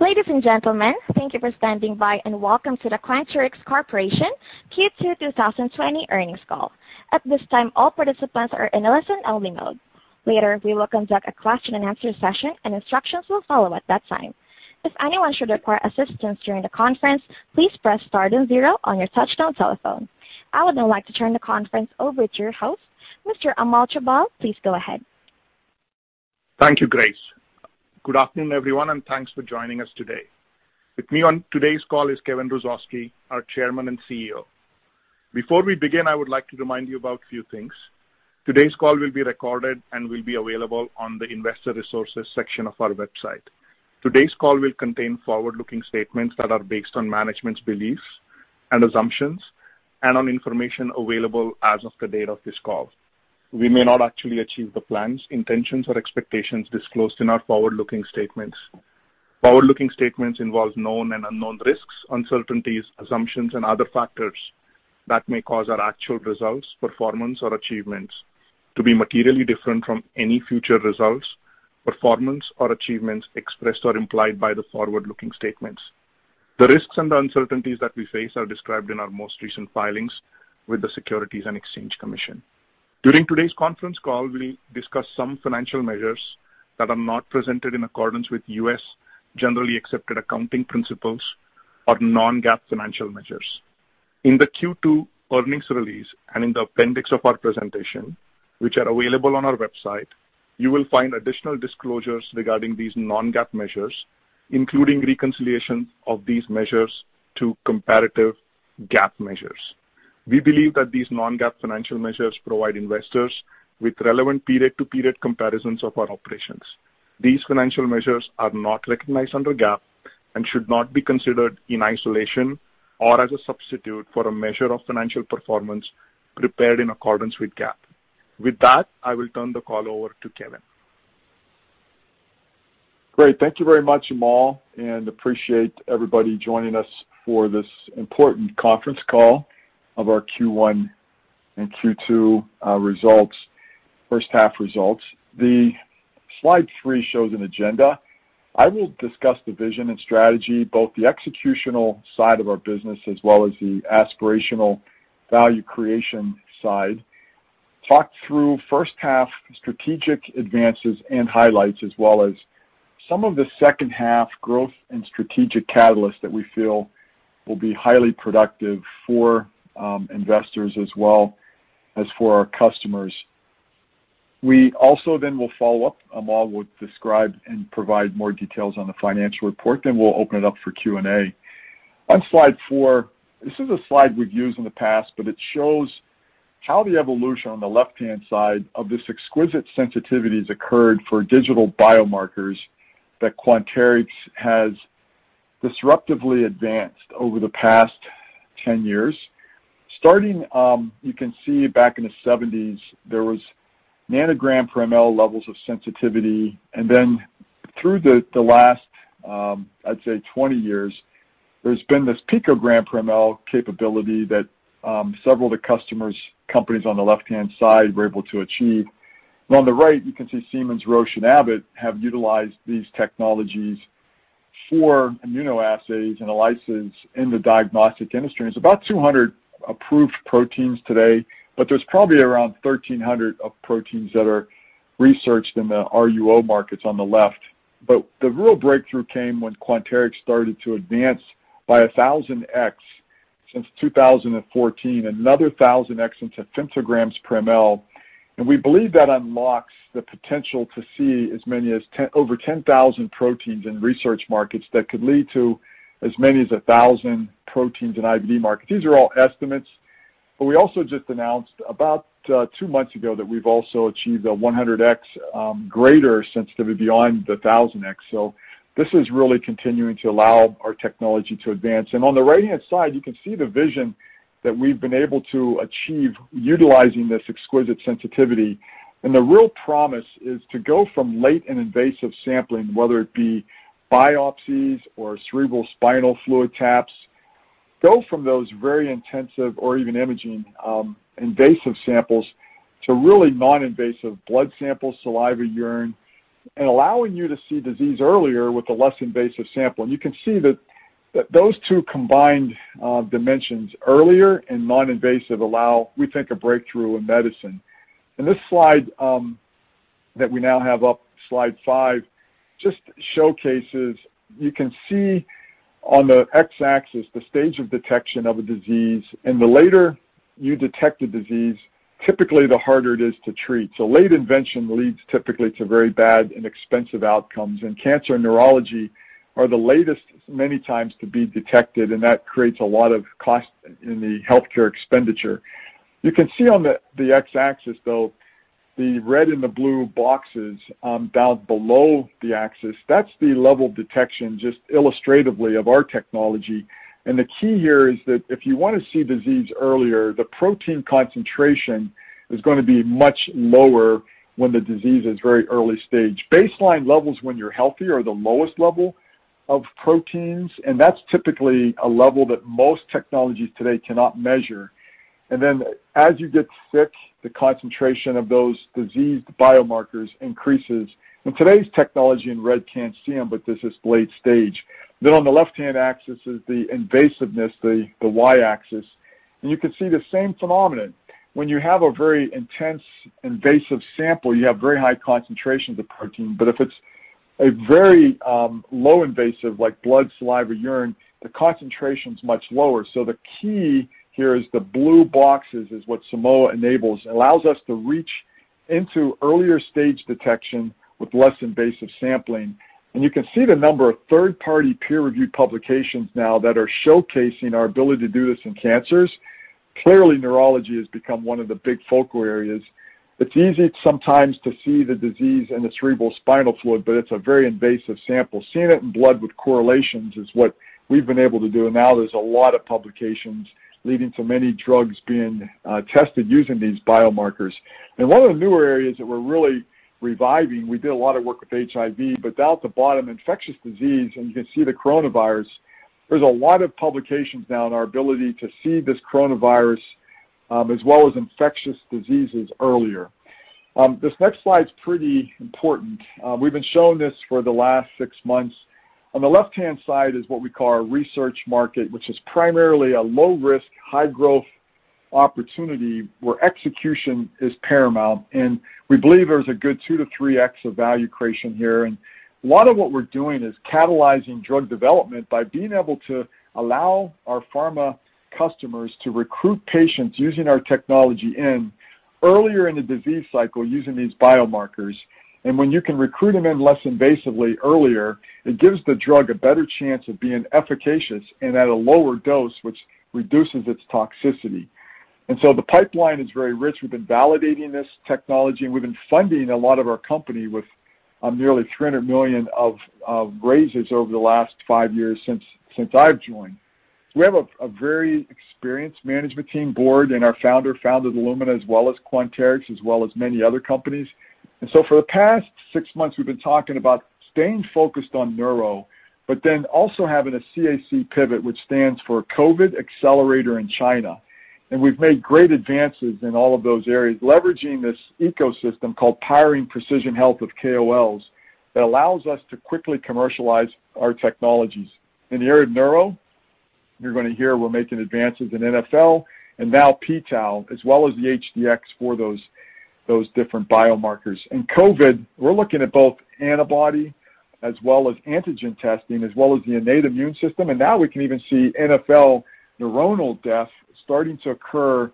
Ladies and gentlemen, thank you for standing by. Welcome to the Quanterix Corporation Q2 2020 Earnings Call. At this time, all participants are in a listen-only mode. Later, we will conduct a question and answer session and instructions will follow at that time. If anyone should require assistance during the conference, please press star, then zero on your touchtone telephone. I would now like to turn the conference over to your host, Mr. Amol Chaubal. Please go ahead. Thank you, Grace. Good afternoon, everyone, and thanks for joining us today. With me on today's call is Kevin Hrusovsky, our Chairman and CEO. Before we begin, I would like to remind you about a few things. Today's call will be recorded and will be available on the investor resources section of our website. Today's call will contain forward-looking statements that are based on management's beliefs and assumptions and on information available as of the date of this call. We may not actually achieve the plans, intentions, or expectations disclosed in our forward-looking statements. Forward-looking statements involve known and unknown risks, uncertainties, assumptions, and other factors that may cause our actual results, performance, or achievements to be materially different from any future results, performance, or achievements expressed or implied by the forward-looking statements. The risks and the uncertainties that we face are described in our most recent filings with the Securities and Exchange Commission. During today's conference call, we'll discuss some financial measures that are not presented in accordance with U.S. Generally Accepted Accounting Principles or non-GAAP financial measures. In the Q2 earnings release and in the appendix of our presentation, which are available on our website, you will find additional disclosures regarding these non-GAAP measures, including reconciliation of these measures to comparative GAAP measures. We believe that these non-GAAP financial measures provide investors with relevant period-to-period comparisons of our operations. These financial measures are not recognized under GAAP and should not be considered in isolation or as a substitute for a measure of financial performance prepared in accordance with GAAP. With that, I will turn the call over to Kevin. Great. Thank you very much, Amol, and appreciate everybody joining us for this important conference call of our Q1 and Q2 results, first half results. Slide three shows an agenda. I will discuss the vision and strategy, both the executional side of our business as well as the aspirational value creation side, talk through, first half, strategic advances and highlights, as well as some of the second half growth and strategic catalysts that we feel will be highly productive for investors as well as for our customers. We, also then will follow up, and Amol will describe and provide more details on the financial report, then we'll open it up for Q&A. On slide four, this is a slide we've used in the past, but it shows how the evolution on the left-hand side of this exquisite sensitivity has occurred for digital biomarkers that Quanterix has disruptively advanced over the past 10 years. Starting, you can see back in the '70s, there was nanogram per mL levels of sensitivity, then through the last, I'd say, 20 years, there's been this picogram per mL capability that several of the customers, companies on the left-hand side were able to achieve. On the right, you can see Siemens, Roche, and Abbott have utilized these technologies for immunoassays and ELISAs in the diagnostic industry, but it's about 200 approved proteins today, but there's probably around 1,300 of proteins that are researched in the RUO markets on the left. The real breakthrough came when Quanterix started to advance by 1,000x since 2014, another 1,000x into femtograms per mL, and we believe that unlocks the potential to see as many as over 10,000 proteins in research markets that could lead to as many as 1,000 proteins in IVD markets. These are all estimates, but we also just announced about two months ago that we've also achieved a 100x greater sensitivity beyond the 1,000x. This is really continuing to allow our technology to advance. On the right-hand side, you can see the vision that we've been able to achieve utilizing this exquisite sensitivity, and the real promise is to go from late and invasive sampling, whether it be biopsies or cerebrospinal fluid taps, go from those very intensive or even imaging, invasive samples to really non-invasive blood samples, saliva, urine, and allowing you to see disease earlier with a less invasive sample. You can see that those two combined dimensions, earlier and non-invasive, allow, we think, a breakthrough in medicine. This slide that we now have up, slide five, just showcases, you can see on the X-axis the stage of detection of a disease, and the later you detect a disease, typically the harder it is to treat. Late invention leads typically to very bad and expensive outcomes, and cancer and neurology are the latest many times to be detected, and that creates a lot of cost in the healthcare expenditure. You can see on the X-axis, though, the red and the blue boxes down below the axis, that's the level of detection, just illustratively, of our technology, and the key here is that if you want to see disease earlier, the protein concentration is going to be much lower when the disease is very early stage. Baseline levels when you're healthy are the lowest level of proteins and that's typically a level that most technologies today cannot measure, and then as you get sick, the concentration of those diseased biomarkers increases. Today's technology in red can't see them, but this is late stage. On the left-hand axis is the invasiveness, the Y-axis. You can see the same phenomenon. When you have a very intense, invasive sample, you have very high concentrations of protein, but if it's a very low invasive, like blood, saliva, urine, the concentration is much lower. The key here is the blue boxes is what Simoa enables. It allows us to reach into earlier stage detection with less invasive sampling and you can see the number of third-party peer-reviewed publications now that are showcasing our ability to do this in cancers. Clearly, neurology has become one of the big focal areas. It's easy sometimes to see the disease in the cerebral spinal fluid, but it's a very invasive sample, seeing it in blood with correlations is what we've been able to do, and now there's a lot of publications leading to many drugs being tested using these biomarkers. One of the newer areas that we're really reviving, we did a lot of work with HIV, but down at the bottom, infectious disease, and you can see the coronavirus, there's a lot of publications now on our ability to see this coronavirus, as well as infectious diseases earlier. This next slide's pretty important. We've been showing this for the last six months. On the left-hand side is what we call our research market, which is primarily a low risk, high growth opportunity where execution is paramount, and we believe there's a good two to three x of value creation here. A lot of what we're doing is catalyzing drug development by being able to allow our pharma customers to recruit patients using our technology in earlier in the disease cycle using these biomarkers. When you can recruit them in less invasively earlier, it gives the drug a better chance of being efficacious and at a lower dose, which reduces its toxicity. The pipeline is very rich. We've been validating this technology and we've been funding a lot of our company with nearly $300 million of raises over the last five years since I've joined. We have a very experienced management team, board, and our founder founded Illumina as well as Quanterix, as well as many other companies. For the past six months, we've been talking about staying focused on neuro, but then also having a CAC pivot, which stands for COVID Accelerator in China. We've made great advances in all of those areas, leveraging this ecosystem called Powering Precision Health with KOLs that allows us to quickly commercialize our technologies. In the area of neuro, you're going to hear we're making advances in NfL and now p-tau, as well as the HD-X for those different biomarkers. In COVID, we're looking at both antibody as well as antigen testing, as well as the innate immune system. Now we can even see NfL neuronal death starting to occur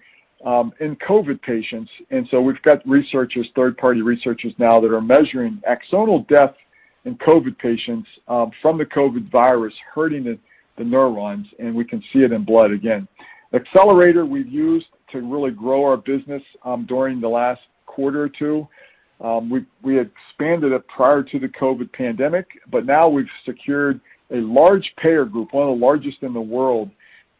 in COVID patients. We've got researchers, third-party researchers now that are measuring axonal death in COVID patients from the COVID virus hurting the neurons, and we can see it in blood again. Accelerator, we have used to really grow our business during the last quarter or two. We expanded it prior to the COVID pandemic. Now we've secured a large payer group, one of the largest in the world,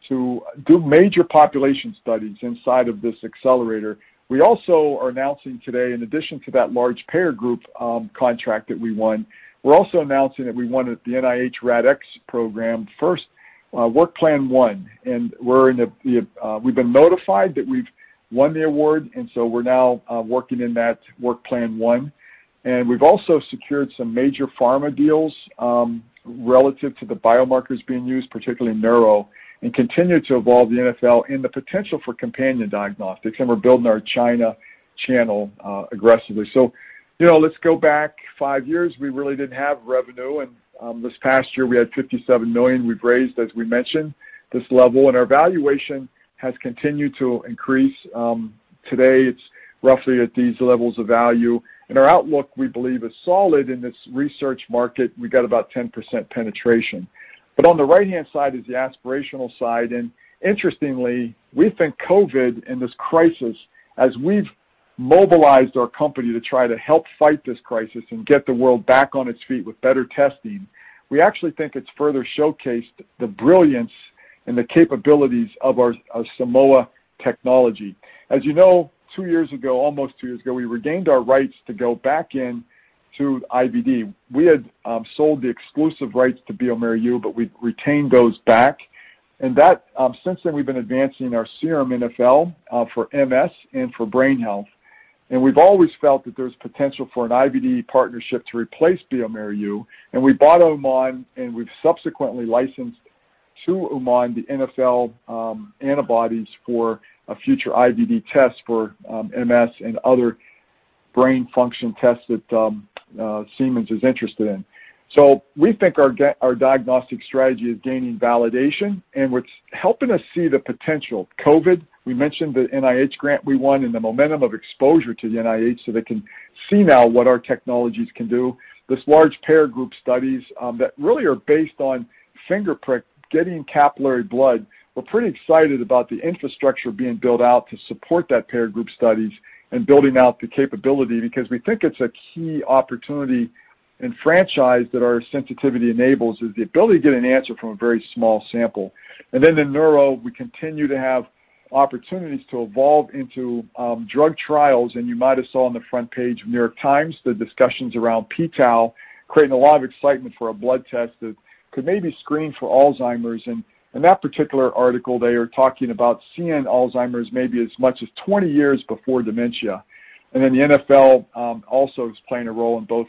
to do major population studies inside of this accelerator. We also are announcing today, in addition to that large payer group contract that we won, we're also announcing that we won at the NIH RADx program first, work plan 1. We've been notified that we've won the award, so we're now working in that work plan 1. We've also secured some major pharma deals, relative to the biomarkers being used, particularly in neuro, and continue to evolve the NfL and the potential for companion diagnostics, and we're building our China channel aggressively. Let's go back five years, we really didn't have revenue, and this past year, we had $57 million we've raised, as we mentioned, this level. Our valuation has continued to increase. Today, it's roughly at these levels of value. Our outlook, we believe, is solid in this research market. We've got about 10% penetration. On the right-hand side is the aspirational side. Interestingly, we think COVID and this crisis, as we've mobilized our company to try to help fight this crisis and get the world back on its feet with better testing, we actually think it's further showcased the brilliance and the capabilities of our Simoa technology. As you know, two years ago, almost two years ago, we regained our rights to go back in to IVD. We had sold the exclusive rights to bioMérieux, but we retained those back. Since then, we've been advancing our serum NfL for MS and for brain health. We've always felt that there's potential for an IVD partnership to replace bioMérieux, and we bought Uman, and we've subsequently licensed to Uman the NfL antibodies for a future IVD test for MS and other brain function tests that Siemens is interested in. We think our diagnostic strategy is gaining validation, and what's helping us see the potential, COVID, we mentioned the NIH grant we won and the momentum of exposure to the NIH so they can see now what our technologies can do. This large payer group studies that really are based on finger prick, getting capillary blood. We're pretty excited about the infrastructure being built out to support that payer group studies and building out the capability because we think it's a key opportunity and franchise that our sensitivity enables is the ability to get an answer from a very small sample. In neuro, we continue to have opportunities to evolve into drug trials, and you might have saw on the front page of The New York Times, the discussions around p-tau, creating a lot of excitement for a blood test that could maybe screen for Alzheimer's. In that particular article, they are talking about seeing Alzheimer's maybe as much as 20 years before dementia. The NfL also is playing a role in both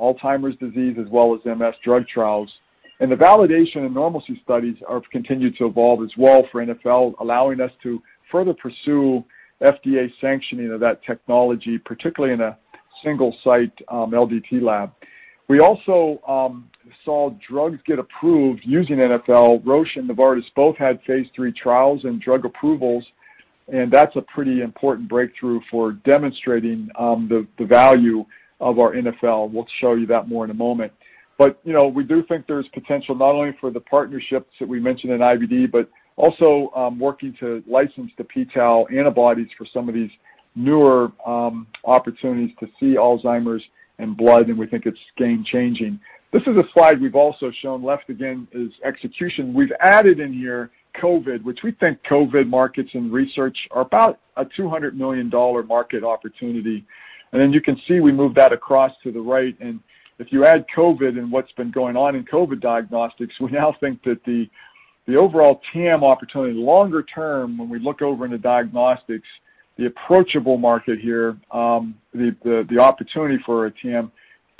Alzheimer's disease as well as MS drug trials. The validation and normalcy studies have continued to evolve as well for NfL, allowing us to further pursue FDA sanctioning of that technology, particularly in a single-site LDT lab. We also saw drugs get approved using NfL. Roche and Novartis both had phase III trials and drug approvals, that's a pretty important breakthrough for demonstrating the value of our NfL. We'll show you that more in a moment. We do think there's potential not only for the partnerships that we mentioned in IVD, also working to license the p-tau antibodies for some of these newer opportunities to see Alzheimer's in blood, we think it's game-changing. This is a slide we've also shown. Left again is execution. We've added in here COVID, which we think COVID markets and research are about a $200 million market opportunity. You can see we moved that across to the right. If you add COVID and what's been going on in COVID diagnostics, we now think that the overall TAM opportunity longer term, when we look over into diagnostics, the approachable market here, the opportunity for a TAM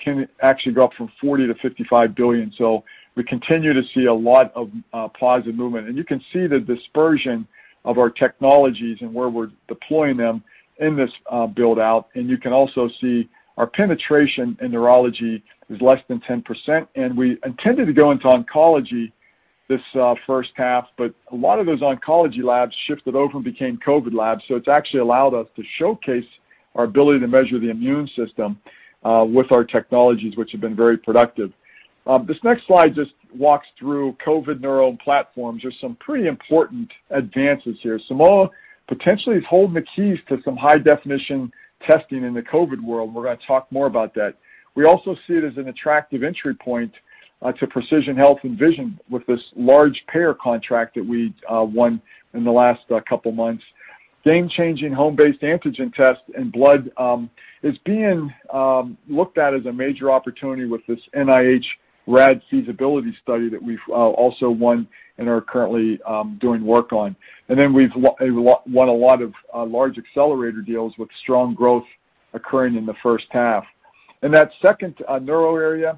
can actually go up from $40 billion to $55 billion. We continue to see a lot of positive movement. You can see the dispersion of our technologies and where we're deploying them in this build-out. You can also see our penetration in neurology is less than 10%. We intended to go into oncology this first half, but a lot of those oncology labs shifted over and became COVID labs, so it's actually allowed us to showcase our ability to measure the immune system, with our technologies, which have been very productive. This next slide just walks through COVID neuro platforms. There's some pretty important advances here. Simoa potentially is holding the keys to some high-definition testing in the COVID world. We're going to talk more about that. We also see it as an attractive entry point to precision health and vision with this large payer contract that we won in the last couple of months. Game-changing home-based antigen tests in blood is being looked at as a major opportunity with this NIH RAD feasibility study that we've also won and are currently doing work on. We've won a lot of large accelerator deals with strong growth occurring in the first half. In that second neuro area,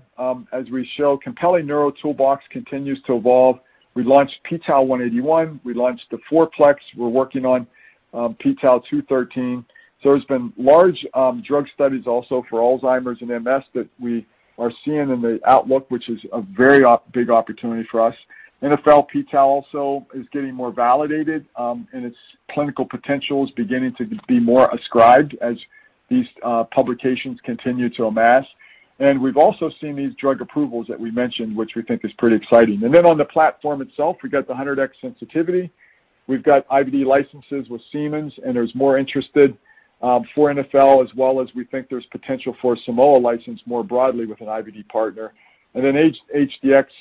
as we show, compelling neuro toolbox continues to evolve. We launched p-tau 181, we launched the four-plex, we're working on p-tau 213. There's been large drug studies also for Alzheimer's and MS that we are seeing in the outlook, which is a very big opportunity for us. NfL p-tau also is getting more validated, and its clinical potential is beginning to be more ascribed as these publications continue to amass. We've also seen these drug approvals that we mentioned, which we think is pretty exciting. On the platform itself, we've got the 100x sensitivity, we've got IVD licenses with Siemens, and there's more interest for NfL as well as we think there's potential for a Simoa license more broadly with an IVD partner. HD-X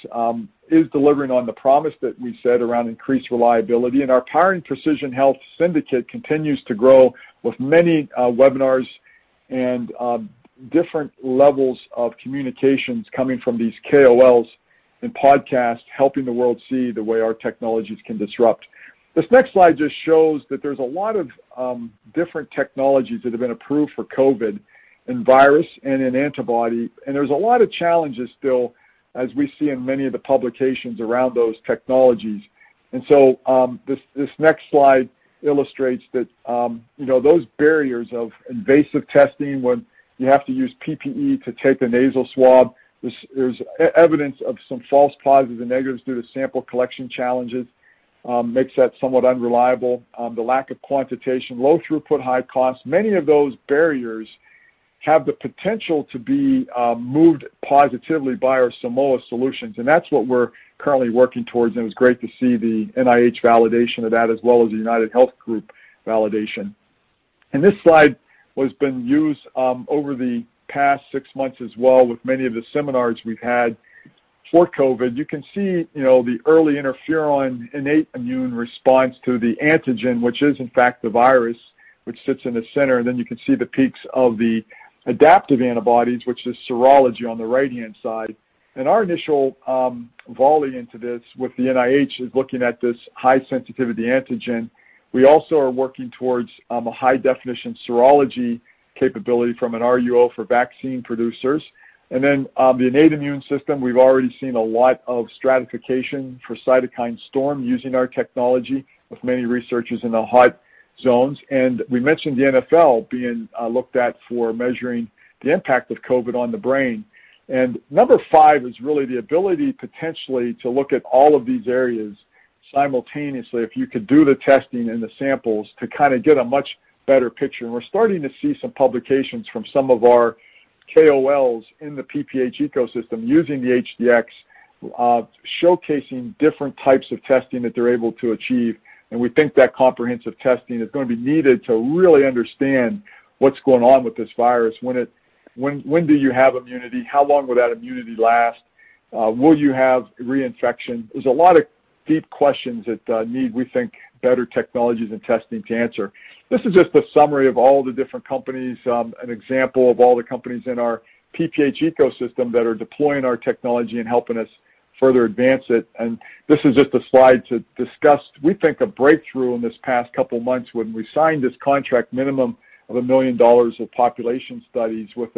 is delivering on the promise that we said around increased reliability. Our Powering Precision Health syndicate continues to grow with many webinars and different levels of communications coming from these KOLs and podcasts, helping the world see the way our technologies can disrupt. This next slide just shows that there's a lot of different technologies that have been approved for COVID in virus and in antibody, and there's a lot of challenges still, as we see in many of the publications around those technologies. This next slide illustrates that those barriers of invasive testing, when you have to use PPE to take a nasal swab, there's evidence of some false positives and negatives due to sample collection challenges, makes that somewhat unreliable. The lack of quantitation, low throughput, high cost, many of those barriers have the potential to be moved positively by our Simoa solutions, and that's what we're currently working towards, and it was great to see the NIH validation of that as well as the UnitedHealth Group validation. This slide has been used over the past six months as well with many of the seminars we've had for COVID. You can see the early interferon innate immune response to the antigen, which is in fact the virus which sits in the center, and then you can see the peaks of the adaptive antibodies, which is serology on the right-hand side. Our initial volley into this with the NIH is looking at this high sensitivity antigen. We also are working towards a high definition serology capability from an RUO for vaccine producers. The innate immune system, we've already seen a lot of stratification for cytokine storm using our technology with many researchers in the hot zones. We mentioned the NfL being looked at for measuring the impact of COVID on the brain. Number five is really the ability potentially to look at all of these areas simultaneously, if you could do the testing and the samples to kind of get a much better picture. We're starting to see some publications from some of our KOLs in the PPH ecosystem using the HD-X, showcasing different types of testing that they're able to achieve. We think that comprehensive testing is going to be needed to really understand what's going on with this virus. When do you have immunity? How long will that immunity last? Will you have reinfection? There's a lot of deep questions that need, we think, better technologies and testing to answer. This is just a summary of all the different companies, an example of all the companies in our PPH ecosystem that are deploying our technology and helping us further advance it. This is just a slide to discuss, we think, a breakthrough in these past couple of months when we signed this contract minimum of $1 million of population studies with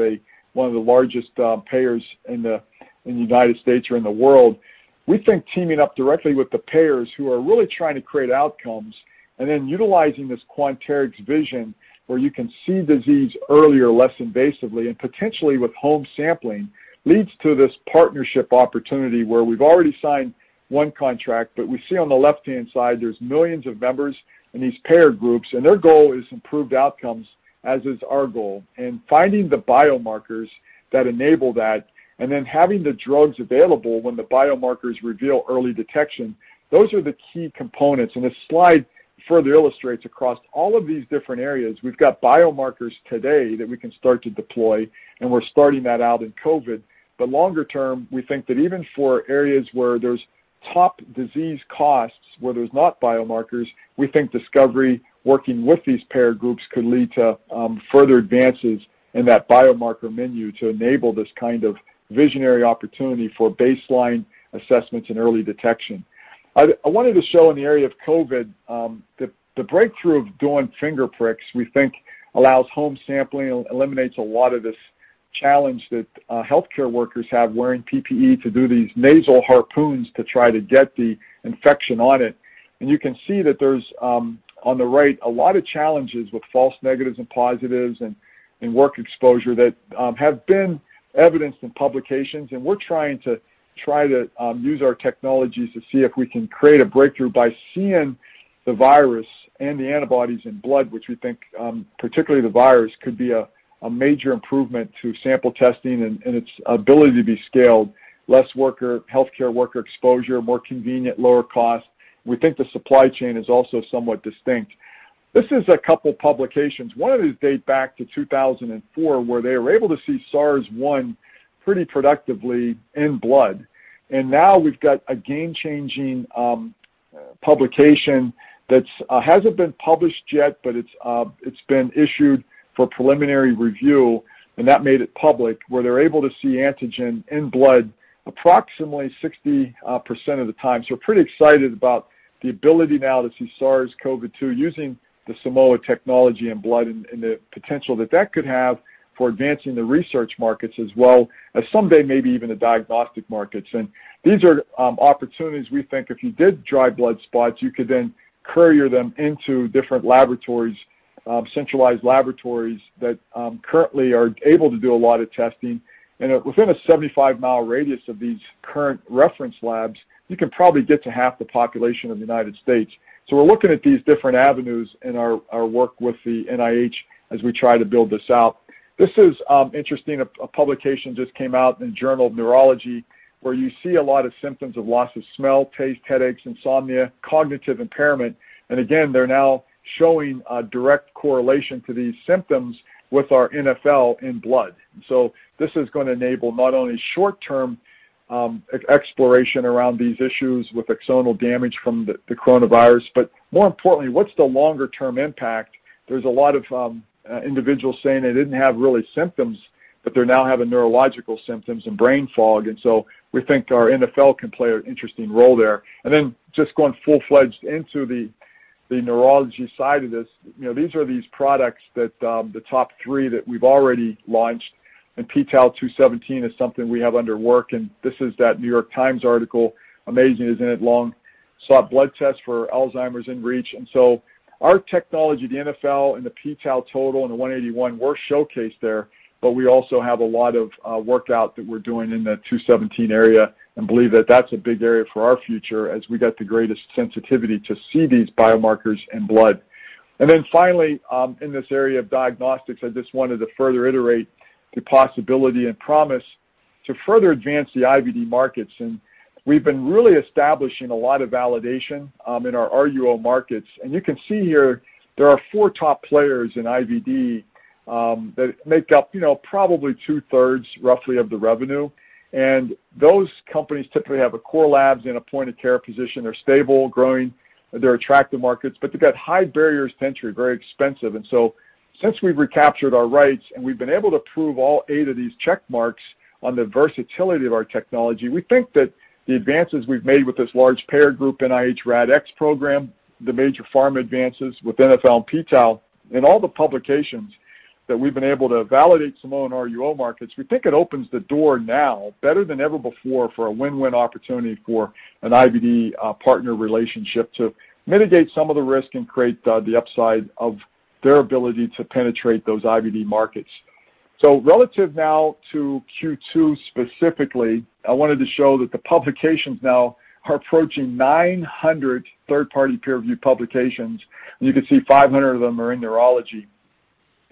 one of the largest payers in the United States or in the world. We think teaming up directly with the payers who are really trying to create outcomes, and then utilizing this Quanterix vision where you can see disease earlier, less invasively, and potentially with home sampling, leads to this partnership opportunity where we've already signed one contract. We see on the left-hand side, there's millions of members in these payer groups, and their goal is improved outcomes, as is our goal. Finding the biomarkers that enable that, and then having the drugs available when the biomarkers reveal early detection, those are the key components. This slide further illustrates across all of these different areas, we've got biomarkers today that we can start to deploy, and we're starting that out in COVID. Longer term, we think that even for areas where there's top disease costs where there's not biomarkers, we think discovery, working with these payer groups could lead to further advances in that biomarker menu to enable this kind of visionary opportunity for baseline assessments and early detection. I wanted to show in the area of COVID, the breakthrough of doing finger pricks, we think allows home sampling, and eliminates a lot of this challenge that healthcare workers have wearing PPE to do these nasal harpoons to try to get the infection on it. You can see that there's, on the right, a lot of challenges with false negatives and positives, and work exposure that have been evidenced in publications. We're trying to use our technologies to see if we can create a breakthrough by seeing the virus and the antibodies in blood, which we think, particularly the virus, could be a major improvement to sample testing and its ability to be scaled. Less healthcare worker exposure, more convenient, lower cost. We think the supply chain is also somewhat distinct. This is a couple of publications. One of these date back to 2004, where they were able to see SARS-1 pretty productively in blood. Now we've got a game-changing publication that hasn't been published yet, but it's been issued for preliminary review, and that made it public, where they're able to see antigen in blood approximately 60% of the time. We're pretty excited about the ability now to see SARS-CoV-2 using the Simoa technology in blood and the potential that that could have for advancing the research markets as well as someday maybe even the diagnostic markets. These are opportunities we think if you did dried blood spots, you could then courier them into different centralized laboratories that currently are able to do a lot of testing, and within a 75-mile radius of these current reference labs, you can probably get to half the population of the United States. We're looking at these different avenues in our work with the NIH as we try to build this out. This is interesting, a publication just came out in the Journal of Neurology where you see a lot of symptoms of loss of smell, taste, headaches, insomnia, cognitive impairment, and again, they're now showing a direct correlation to these symptoms with our NfL in blood. This is going to enable not only short-term exploration around these issues with axonal damage from the coronavirus, but more importantly, what's the longer-term impact? There's a lot of individuals saying they didn't have really symptoms, but they're now having neurological symptoms and brain fog. We think our NfL can play an interesting role there. Just going full-fledged into the neurology side of this, you know, these are these products that the top three that we've already launched, and p-tau 217 is something we have under work, and this is that The New York Times article, amazing, isn't it long? Sought blood test for Alzheimer's in reach, so our technology, the NfL and the p-tau Total, and the 181 were showcased there, but we also have a lot of work out that we're doing in the 217 area and believe that that's a big area for our future as we got the greatest sensitivity to see these biomarkers in blood. Finally, in this area of diagnostics, I just wanted to further iterate the possibility and promise to further advance the IVD markets, and we've been really establishing a lot of validation in our RUO markets. You can see here there are four top players in IVD that make up probably 2/3, roughly, of the revenue. Those companies typically have a core labs and a point-of-care position, they're stable, growing, and they're attractive markets. They've got high barriers to entry, very expensive, and so since we've recaptured our rights and we've been able to prove all eight of these check marks on the versatility of our technology, we think that the advances we've made with this large payer group, NIH RADx program, the major pharma advances with NfL and p-tau, and all the publications that we've been able to validate Simoa and RUO markets, we think it opens the door now better than ever before for a win-win opportunity for an IVD partner relationship to mitigate some of the risk and create the upside of their ability to penetrate those IVD markets. Relative now to Q2, specifically, I wanted to show that the publications now are approaching 900 third-party peer-reviewed publications, and you can see 500 of them are in neurology.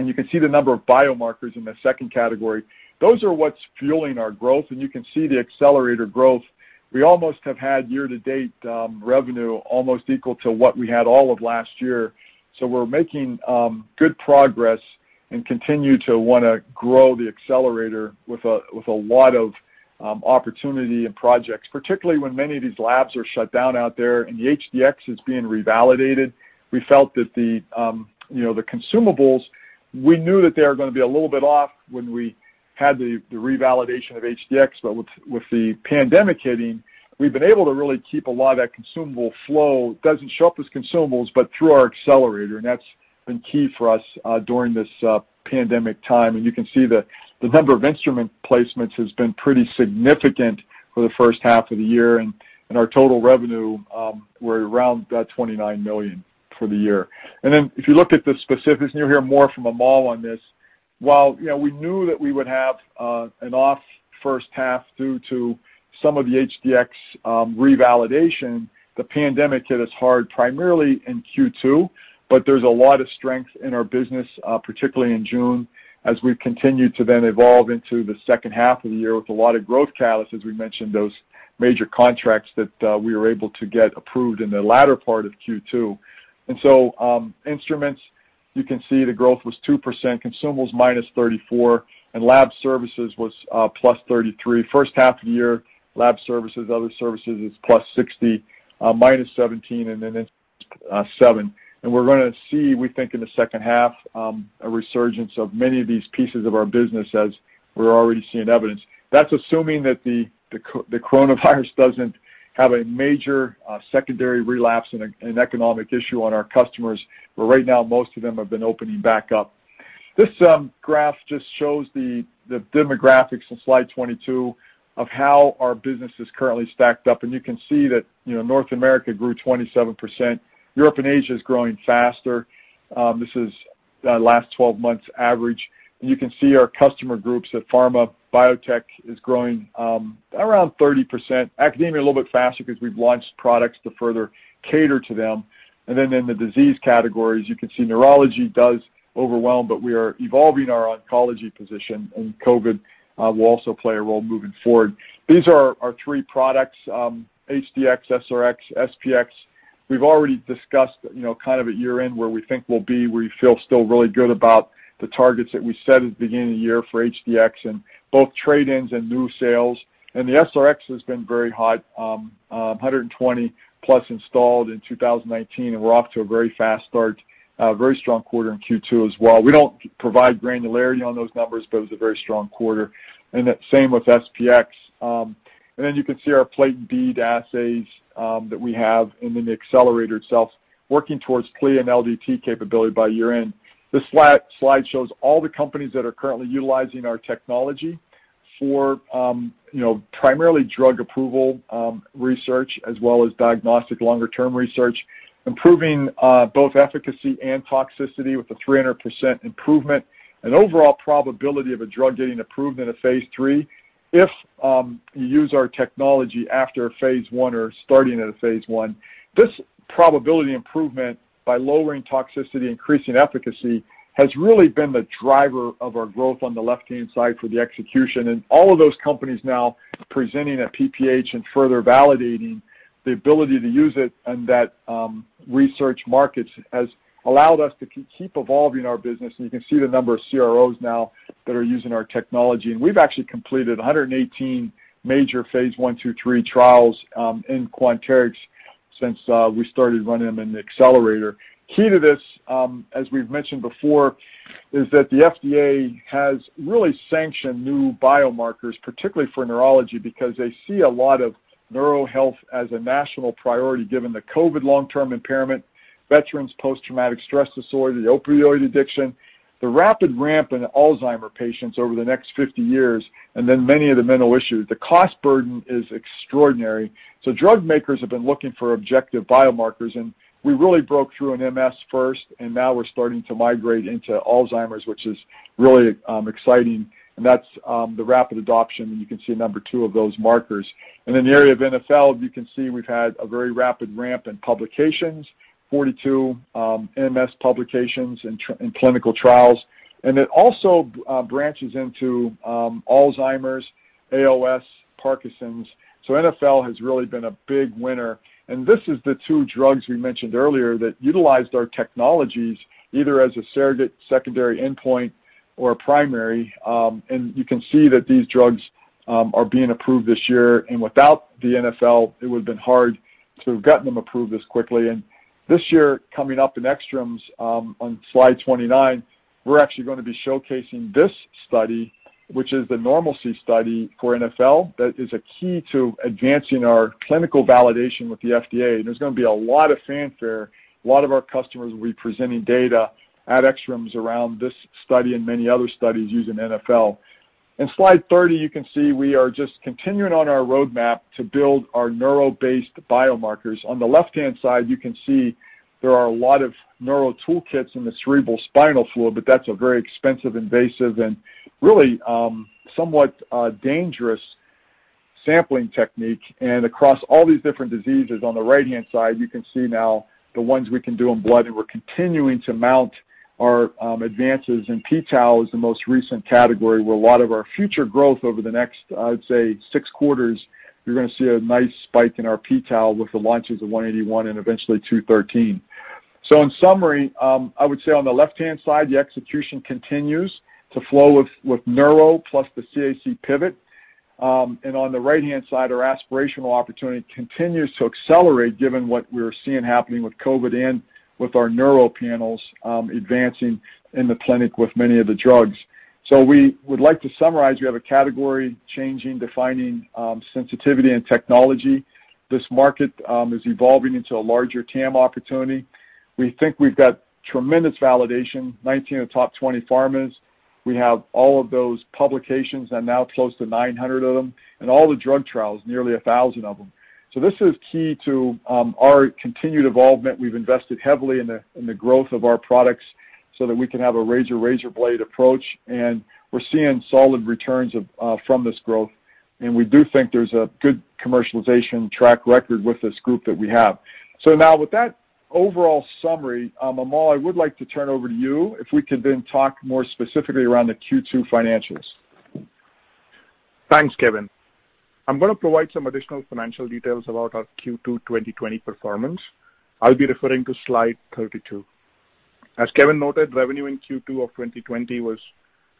You can see the number of biomarkers in the second category. Those are what's fueling our growth and you can see the Accelerator growth. We almost have had year-to-date revenue almost equal to what we had all of last year. We're making good progress and continue to want to grow the Accelerator with a lot of opportunity and projects, particularly, when many of these labs are shut down out there and the HD-X is being revalidated. We felt that the, you know, the consumables, we knew that they were going to be a little bit off when we had the revalidation of HD-X, but with the pandemic hitting, we've been able to really keep a lot of that consumable flow. It doesn't show up as consumables, but through our Accelerator and that's been key for us during this pandemic time. You can see that the number of instrument placements has been pretty significant for the first half of the year, and our total revenue, we're around that $29 million for the year, and then if you look at the specifics, and you'll hear more from Amol on this, while we knew that we would have an off first half due to some of the HD-X revalidation, the pandemic hit us hard, primarily in Q2, but there's a lot of strength in our business, particularly in June, as we've continued to then evolve into the second half of the year with a lot of growth catalysts, as we mentioned, those major contracts that we were able to get approved in the latter part of Q2. Instruments, you can see the growth was 2%, consumables minus 34, and lab services was plus 33. First half of the year, lab services, other services is plus 60, minus 17, and then seven. We're going to see, we think, in the second half, a resurgence of many of these pieces of our business as we're already seeing evidence. That's assuming that the coronavirus doesn't have a major secondary relapse and an economic issue on our customers, where right now, most of them have been opening back up. This graph just shows the demographics on slide 22 of how our business is currently stacked up, and you can see that North America grew 27%. Europe and Asia is growing faster. This is the last 12 months average. You can see our customer groups at pharma, biotech is growing around 30%, academia a little bit faster because we've launched products to further cater to them. In the disease categories, you can see neurology does overwhelm, but we are evolving our oncology position, and COVID will also play a role moving forward. These are our three products, HD-X, SR-X, SP-X. We've already discussed kind of at year-end where we think we'll be, where we feel still really good about the targets that we set at the beginning of the year for HD-X and both trade-ins and new sales. The SR-X has been very hot, 120+ installed in 2019, and we're off to a very fast start, a very strong quarter in Q2 as well. We don't provide granularity on those numbers, but it was a very strong quarter, and same with SP-X. Then you can see our Plate and Bead Assays that we have in the accelerator itself, working towards CLIA and LDT capability by year-end. This slide shows all the companies that are currently utilizing our technology for, you know, primarily drug approval research as well as diagnostic longer-term research, improving both efficacy and toxicity with a 300% improvement. An overall probability of a drug getting approved in a phase III, if you use our technology after phase I or starting at a phase I. This probability improvement by lowering toxicity, increasing efficacy, has really been the driver of our growth on the left-hand side for the execution, and all of those companies now presenting at PPH and further validating the ability to use it and that research markets has allowed us to keep evolving our business, you can see the number of CROs now that are using our technology. We've actually completed 118 major phase I, II, III trials in Quanterix since we started running them in the Accelerator. Key to this, as we've mentioned before, is that the FDA has really sanctioned new biomarkers, particularly for neurology, because they see a lot of neuro health as a national priority given the COVID long-term impairment, veterans post-traumatic stress disorder, the opioid addiction, the rapid ramp in Alzheimer's patients over the next 50 years, and then many of the mental issues. The cost burden is extraordinary. Drug makers have been looking for objective biomarkers, and we really broke through in MS first, and now we're starting to migrate into Alzheimer's, which is really exciting, and that's the rapid adoption, and you can see number two of those markers. In the area of NfL, you can see we've had a very rapid ramp in publications, 42 MS publications in clinical trials, and it also branches into Alzheimer's, ALS, Parkinson's, so NfL has really been a big winner. This is the two drugs we mentioned earlier that utilized our technologies, either as a surrogate secondary endpoint or a primary, and you can see that these drugs are being approved this year, and without the NfL, it would have been hard to have gotten them approved this quickly. This year, coming up in ECTRIMS, on slide 29, we're actually going to be showcasing this study, which is the normalcy study for NfL that is a key to advancing our clinical validation with the FDA, and there's going to be a lot of fanfare. A lot of our customers will be presenting data at ECTRIMS around this study and many other studies using NfL. In slide 30, you can see we are just continuing on our roadmap to build our neuro-based biomarkers. On the left-hand side, you can see there are a lot of neuro toolkits in the cerebral spinal fluid, but that's a very expensive, invasive, and really somewhat dangerous sampling technique. Across all these different diseases on the right-hand side, you can see now the ones we can do in blood, and we're continuing to mount our advances in p-tau as the most recent category where a lot of our future growth over the next, I'd say, six quarters, you're going to see a nice spike in our p-tau with the launches of 181 and eventually 213. In summary, I would say on the left-hand side, the execution continues to flow with neuro plus the CAC pivot. On the right-hand side, our aspirational opportunity continues to accelerate given what we're seeing happening with COVID and with our neuro panels advancing in the clinic with many of the drugs. We would like to summarize, we have a category changing, defining sensitivity and technology. This market is evolving into a larger TAM opportunity. We think we've got tremendous validation, 19 of the top 20 pharmas. We have all of those publications and now close to 900 of them, and all the drug trials, nearly 1,000 of them. This is key to our continued involvement. We've invested heavily in the growth of our products so that we can have a razor blade approach, and we're seeing solid returns from this growth. We do think there's a good commercialization track record with this group that we have. Now, with that overall summary, Amol, I would like to turn over to you, if we could then talk more specifically around the Q2 financials. Thanks, Kevin. I'm going to provide some additional financial details about our Q2 2020 performance. I'll be referring to slide 32. As Kevin noted, revenue in Q2 of 2020 was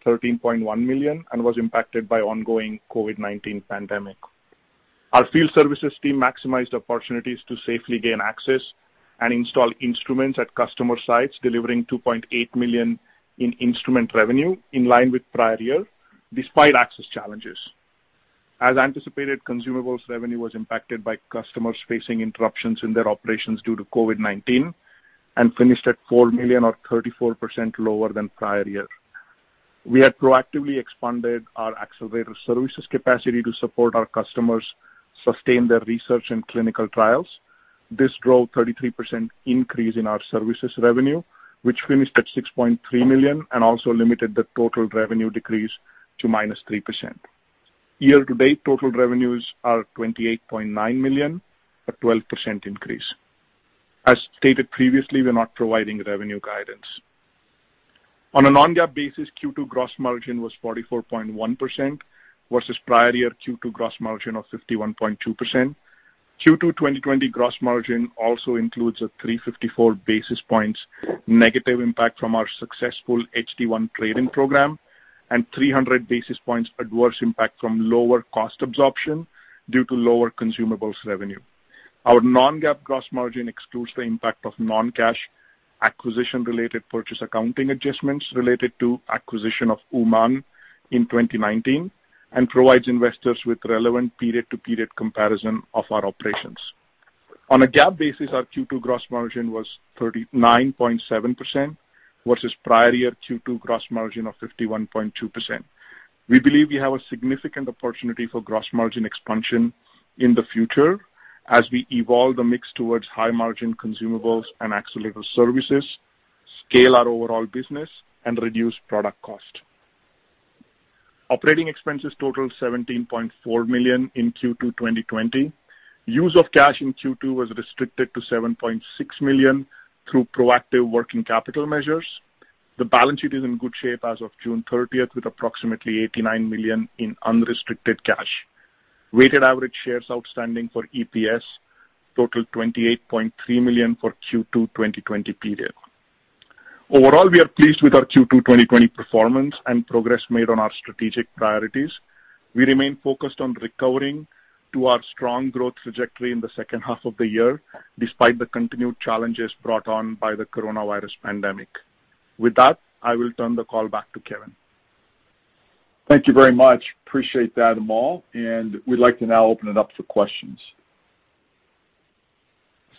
$13.1 million and was impacted by ongoing COVID-19 pandemic. Our field services team maximized opportunities to safely gain access and install instruments at customer sites, delivering $2.8 million in instrument revenue in line with prior year, despite access challenges. As anticipated, consumables revenue was impacted by customers facing interruptions in their operations due to COVID-19 and finished at $4 million or 34% lower than prior year. We had proactively expanded our accelerator services capacity to support our customers sustain their research and clinical trials. This drove 33% increase in our services revenue, which finished at $6.3 million and also limited the total revenue decrease to minus 3%. Year-to-date total revenues are $28.9 million, a 12% increase. As stated previously, we're not providing revenue guidance. On a non-GAAP basis, Q2 gross margin was 44.1% versus prior year Q2 gross margin of 51.2%. Q2 2020 gross margin also includes a 354 basis points negative impact from our successful HD-1 trade-in program and 300 basis points adverse impact from lower cost absorption due to lower consumables revenue. Our non-GAAP gross margin excludes the impact of non-cash acquisition related purchase accounting adjustments related to acquisition of Uman in 2019 and provides investors with relevant period-to-period comparison of our operations. On a GAAP basis, our Q2 gross margin was 39.7% versus prior year Q2 gross margin of 51.2%. We believe we have a significant opportunity for gross margin expansion in the future as we evolve the mix towards high margin consumables and accelerator services, scale our overall business, and reduce product cost. Operating expenses totaled $17.4 million in Q2 2020. Use of cash in Q2 was restricted to $7.6 million through proactive working capital measures. The balance sheet is in good shape as of June 30th, with approximately $89 million in unrestricted cash, and weighted average shares outstanding for EPS totaled 28.3 million for Q2 2020 period. Overall, we are pleased with our Q2 2020 performance and progress made on our strategic priorities. We remain focused on recovering to our strong growth trajectory in the second half of the year, despite the continued challenges brought on by the coronavirus pandemic. With that, I will turn the call back to Kevin. Thank you very much, appreciate that, Amol, and we'd like to now open it up for questions.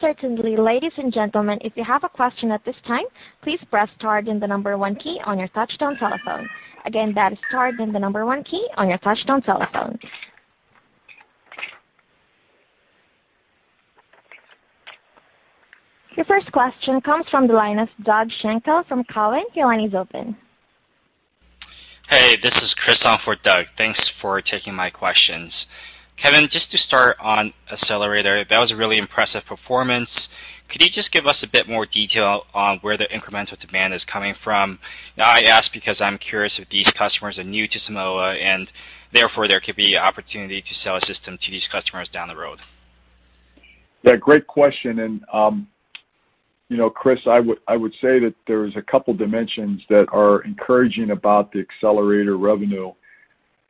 Certainly. Ladies and gentlemen, if you have a question at this time, please press star then the number one key on your touch-tone telephone. Again, that is star then the number one key on your touch-tone telephone. Your first question comes from the line of Doug Schenkel from Cowen. Your line is open. Hey, this is Chris on for Doug. Thanks for taking my questions. Kevin, just to start on Accelerator, that was a really impressive performance. Could you just give us a bit more detail on where the incremental demand is coming from? Now I ask because I'm curious if these customers are new to Simoa and therefore there could be opportunity to sell a system to these customers down the road. Yeah, great question and, you know, Chris, I would say that there's a couple dimensions that are encouraging about the Accelerator revenue.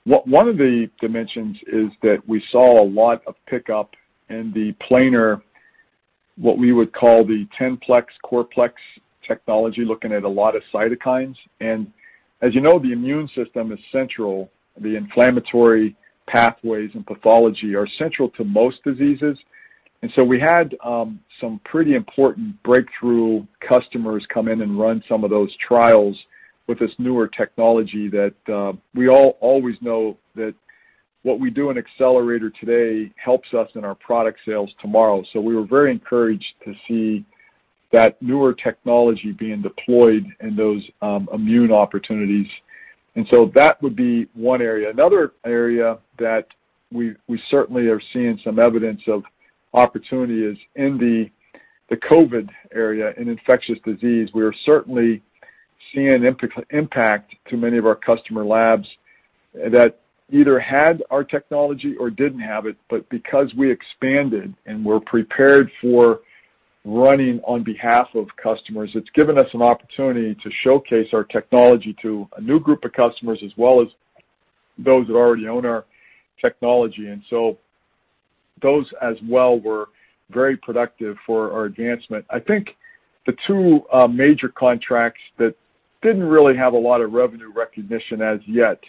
One of the dimensions is that we saw a lot of pickup in the planar, what we would call the 10-plex CorPlex technology, looking at a lot of cytokines. As you know, the immune system is central. The inflammatory pathways and pathology are central to most diseases. We had some pretty important breakthrough customers come in and run some of those trials with this newer technology that we all always know that what we do in Accelerator today helps us in our product sales tomorrow. We were very encouraged to see that newer technology being deployed in those immune opportunities, and so that would be one area. Another area that we certainly are seeing some evidence of opportunity is in the COVID area, in infectious disease. We are certainly seeing an impact to many of our customer labs that either had our technology or didn't have it, but because we expanded and we're prepared for running on behalf of customers, it's given us an opportunity to showcase our technology to a new group of customers, as well as those that already own our technology. Those as well were very productive for our advancement. I think the two major contracts that didn't really have a lot of revenue recognition as yet,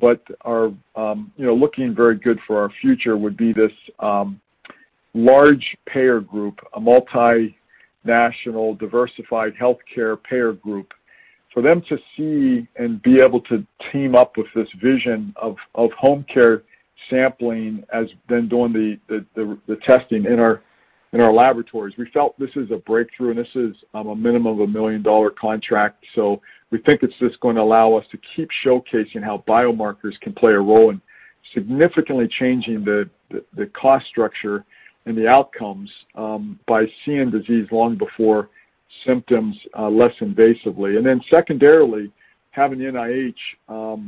but are looking very good for our future would be this large payer group, a multinational diversified healthcare payer group. For them to see and be able to team up with this vision of home care sampling, as been doing the testing in our laboratories. We felt this is a breakthrough and this is a minimum of a million-dollar contract. We think it's just going to allow us to keep showcasing how biomarkers can play a role in significantly changing the cost structure and the outcomes, by seeing disease long before symptoms, less invasively. Secondarily, having NIH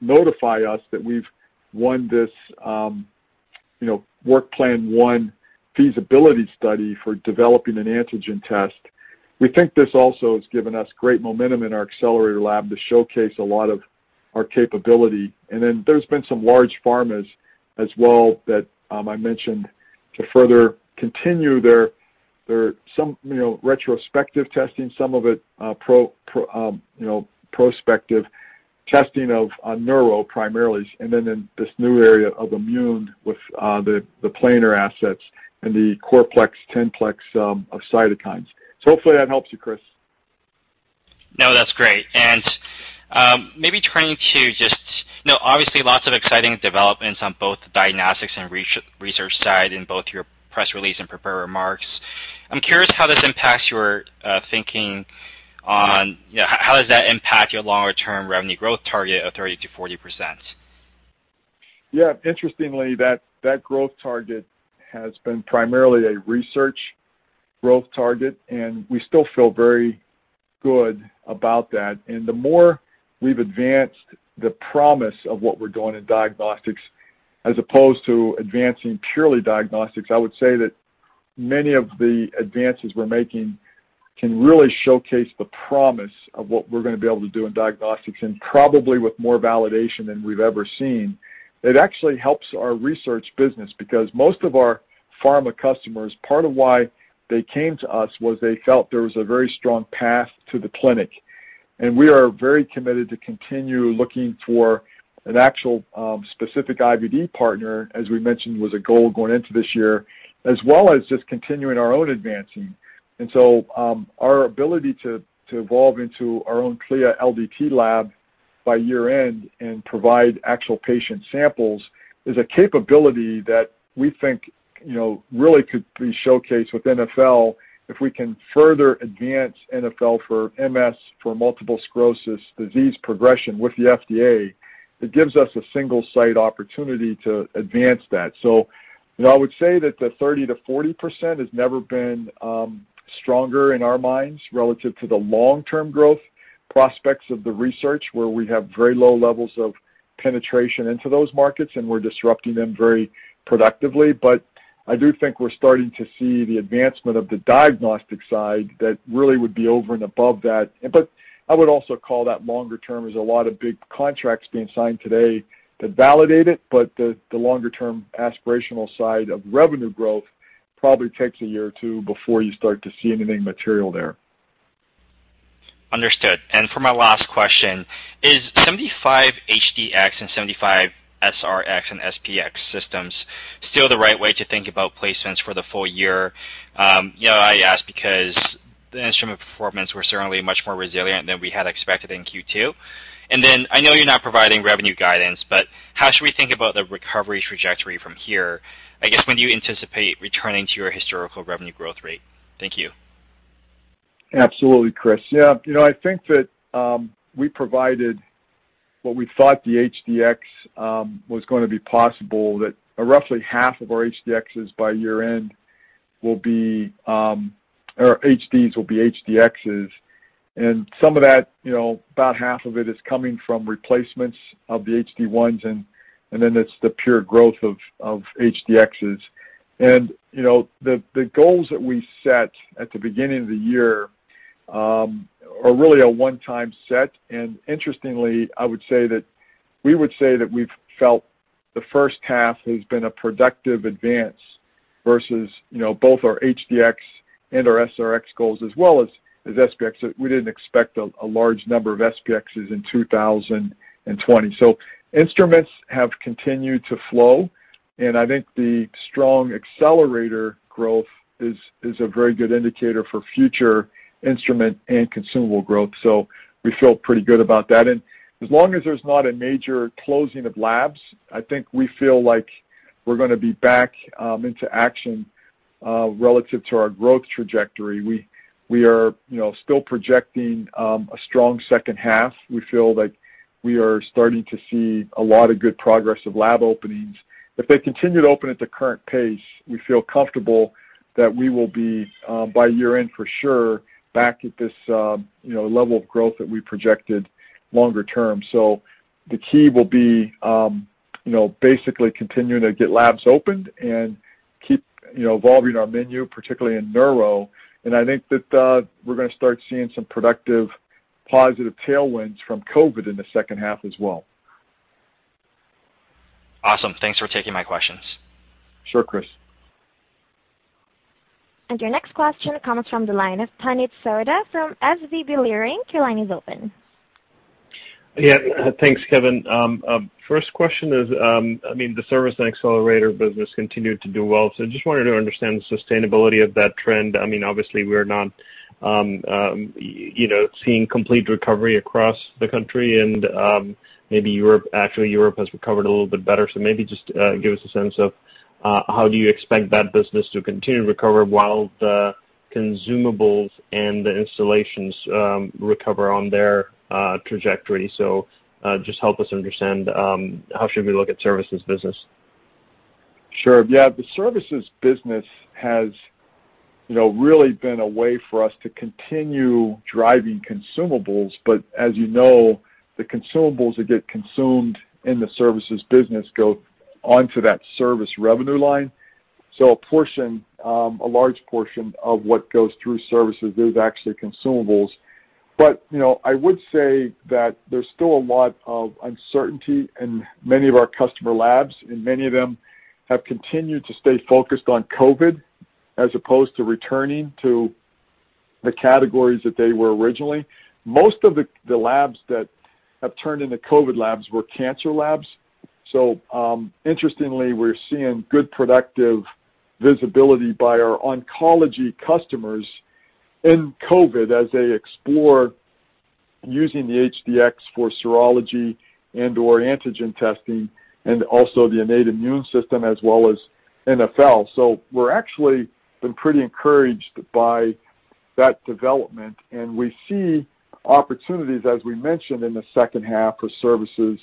notify us that we've won this, you know, work plan one feasibility study for developing an antigen test. We think this also has given us great momentum in our Accelerator Laboratory to showcase a lot of our capability. There's been some large pharmas as well that I mentioned to further continue their some, you know, retrospective testing, some of it, you know, prospective testing of neuro primarily, and then in this new area of immune with the Planar Assays and the CorPlex, 10-plex of cytokines, so hopefully that helps you, Chris. No, that's great. Obviously lots of exciting developments on both the diagnostics and research side in both your press release and prepared remarks. I'm curious how does that impact your longer term revenue growth target of 30% to 40%? Yeah. Interestingly, that growth target has been primarily a research growth target, and we still feel very good about that. The more we've advanced the promise of what we're doing in diagnostics as opposed to advancing purely diagnostics, I would say that many of the advances we're making can really showcase the promise of what we're going to be able to do in diagnostics, probably with more validation than we've ever seen that It actually helps our research business because most of our pharma customers, part of why they came to us was they felt there was a very strong path to the clinic. We are very committed to continue looking for an actual specific IVD partner, as we mentioned, was a goal going into this year, as well as just continuing our own advancing. Our ability to evolve into our own CLIA LDT lab by year end and provide actual patient samples is a capability that we think, you know, really could be showcased with NfL if we can further advance NfL for MS, for multiple sclerosis disease progression with the FDA. It gives us a single site opportunity to advance that. I would say that the 30% to 40% has never been stronger in our minds relative to the long-term growth prospects of the research, where we have very low levels of penetration into those markets, and we're disrupting them very productively. I do think we're starting to see the advancement of the diagnostic side that really would be over and above that. I would also call that longer term. There's a lot of big contracts being signed today that validate it, but the longer-term aspirational side of revenue growth probably takes a year or two before you start to see anything material there. Understood, and for my last question, is 75 HD-X and 75 SR-X and SP-X systems still the right way to think about placements for the full year? I ask because the instrument performance were certainly much more resilient than we had expected in Q2. I know you're not providing revenue guidance, but how should we think about the recovery trajectory from here? I guess, when do you anticipate returning to your historical revenue growth rate? Thank you. Absolutely, Chris. Yeah. I think that we provided what we thought the HD-X was going to be possible, that roughly half of our HD-Xs by year end will be, or HDs will be HD-Xs. Some of that, about half of it is coming from replacements of the HD-1s and then it's the pure growth of HD-Xs. The goals that we set at the beginning of the year are really a one-time set, and interestingly, I would say that we would say that we've felt the first half has been a productive advance versus both our HD-X and our SR-X goals as well as SP-X. We didn't expect a large number of SP-Xs in 2020. Instruments have continued to flow, and I think the strong accelerator growth is a very good indicator for future instrument and consumable growth. We feel pretty good about that. As long as there's not a major closing of labs, I think we feel like we're going to be back into action relative to our growth trajectory. We are still projecting a strong second half. We feel like we are starting to see a lot of good progress of lab openings. If they continue to open at the current pace, we feel comfortable that we will be, by year-end for sure, back at this level of growth that we projected longer term. The key will be basically continuing to get labs opened and keep evolving our menu, particularly in neuro. I think that we're going to start seeing some productive positive tailwinds from COVID in the second half as well. Awesome. Thanks for taking my questions. Sure, Chris. Your next question comes from the line of Puneet Souda from SVB Leerink. Your line is open. Yeah. Thanks, Kevin. First question is, the service and accelerator business continued to do well, so just wanted to understand the sustainability of that trend. Obviously, we're not, you know, seeing complete recovery across the country and maybe Europe. Actually, Europe has recovered a little bit better, so maybe just give us a sense of how do you expect that business to continue to recover while the consumables and the installations recover on their trajectory, so just help us understand how should we look at services business. Sure. Yeah, the services business has really been a way for us to continue driving consumables. As you know, the consumables that get consumed in the services business go onto that service revenue line. A large portion of what goes through services is actually consumables. I would say that there's still a lot of uncertainty in many of our customer labs, and many of them have continued to stay focused on COVID as opposed to returning to the categories that they were originally. Most of the labs that have turned into COVID labs were cancer labs. Interestingly, we're seeing good productive visibility by our oncology customers in COVID as they explore using the HD-X for serology and/or antigen testing and also the innate immune system as well as NfL. We're actually been pretty encouraged by that development, and we see opportunities, as we mentioned in the second half for services,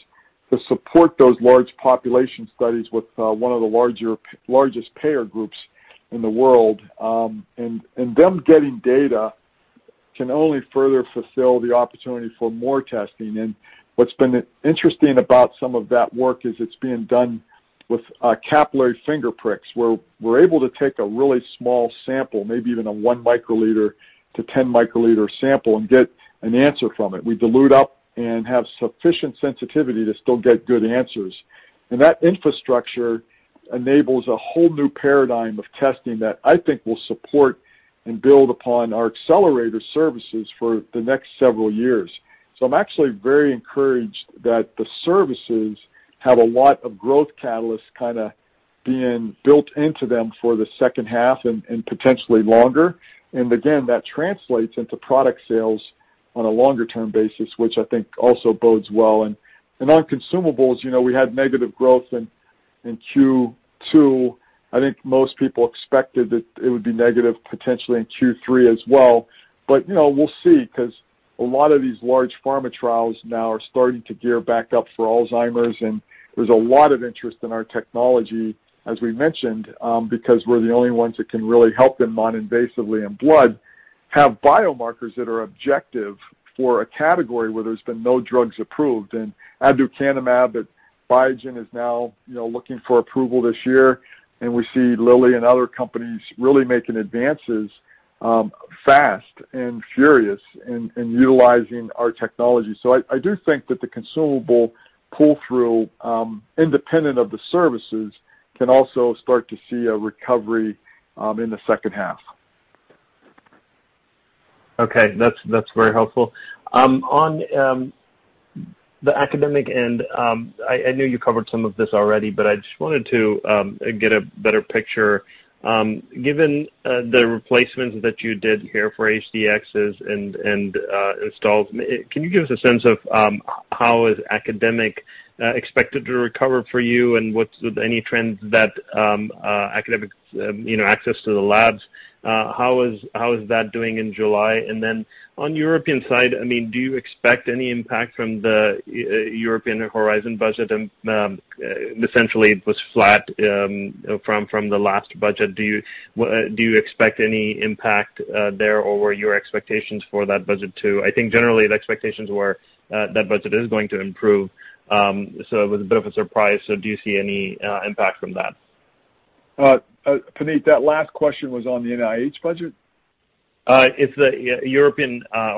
to support those large population studies with one of the largest payer groups in the world. Them getting data can only further fulfill the opportunity for more testing. What's been interesting about some of that work is it's being done with capillary finger pricks, where we're able to take a really small sample, maybe even a 1 uL to 10 uL sample, and get an answer from it. We dilute up and have sufficient sensitivity to still get good answers. That infrastructure enables a whole new paradigm of testing that I think will support and build upon our accelerator services for the next several years. I'm actually very encouraged that the services have a lot of growth catalysts kind of being built into them for the second half and potentially longer. Again, that translates into product sales on a longer-term basis, which I think also bodes well. On consumables, we had negative growth in Q2. I think most people expected that it would be negative potentially in Q3 as well. We'll see, because a lot of these large pharma trials now are starting to gear back up for Alzheimer's, and there's a lot of interest in our technology, as we mentioned, because we're the only ones that can really help them noninvasively in blood, have biomarkers that are objective for a category where there's been no drugs approved. Aducanumab at Biogen is now, you know, looking for approval this year, and we see Lilly and other companies really making advances fast and furious in utilizing our technology. I do think that the consumable pull-through, independent of the services, can also start to see a recovery in the second half. Okay, that's very helpful. On the academic end, I know you covered some of this already, but I just wanted to get a better picture. Given the replacements that you did here for HD-X and installs, can you give us a sense of how is academic expected to recover for you, and any trends that academic access to the labs, how is that doing in July? Then on European side, do you expect any impact from the Horizon Europe budget? Essentially, it was flat from the last budget. Do you expect any impact there, or were your expectations for that budget too? I think generally the expectations were that budget is going to improve, so it was a bit of a surprise. Do you see any impact from that? Puneet, that last question was on the NIH budget? It's the Europe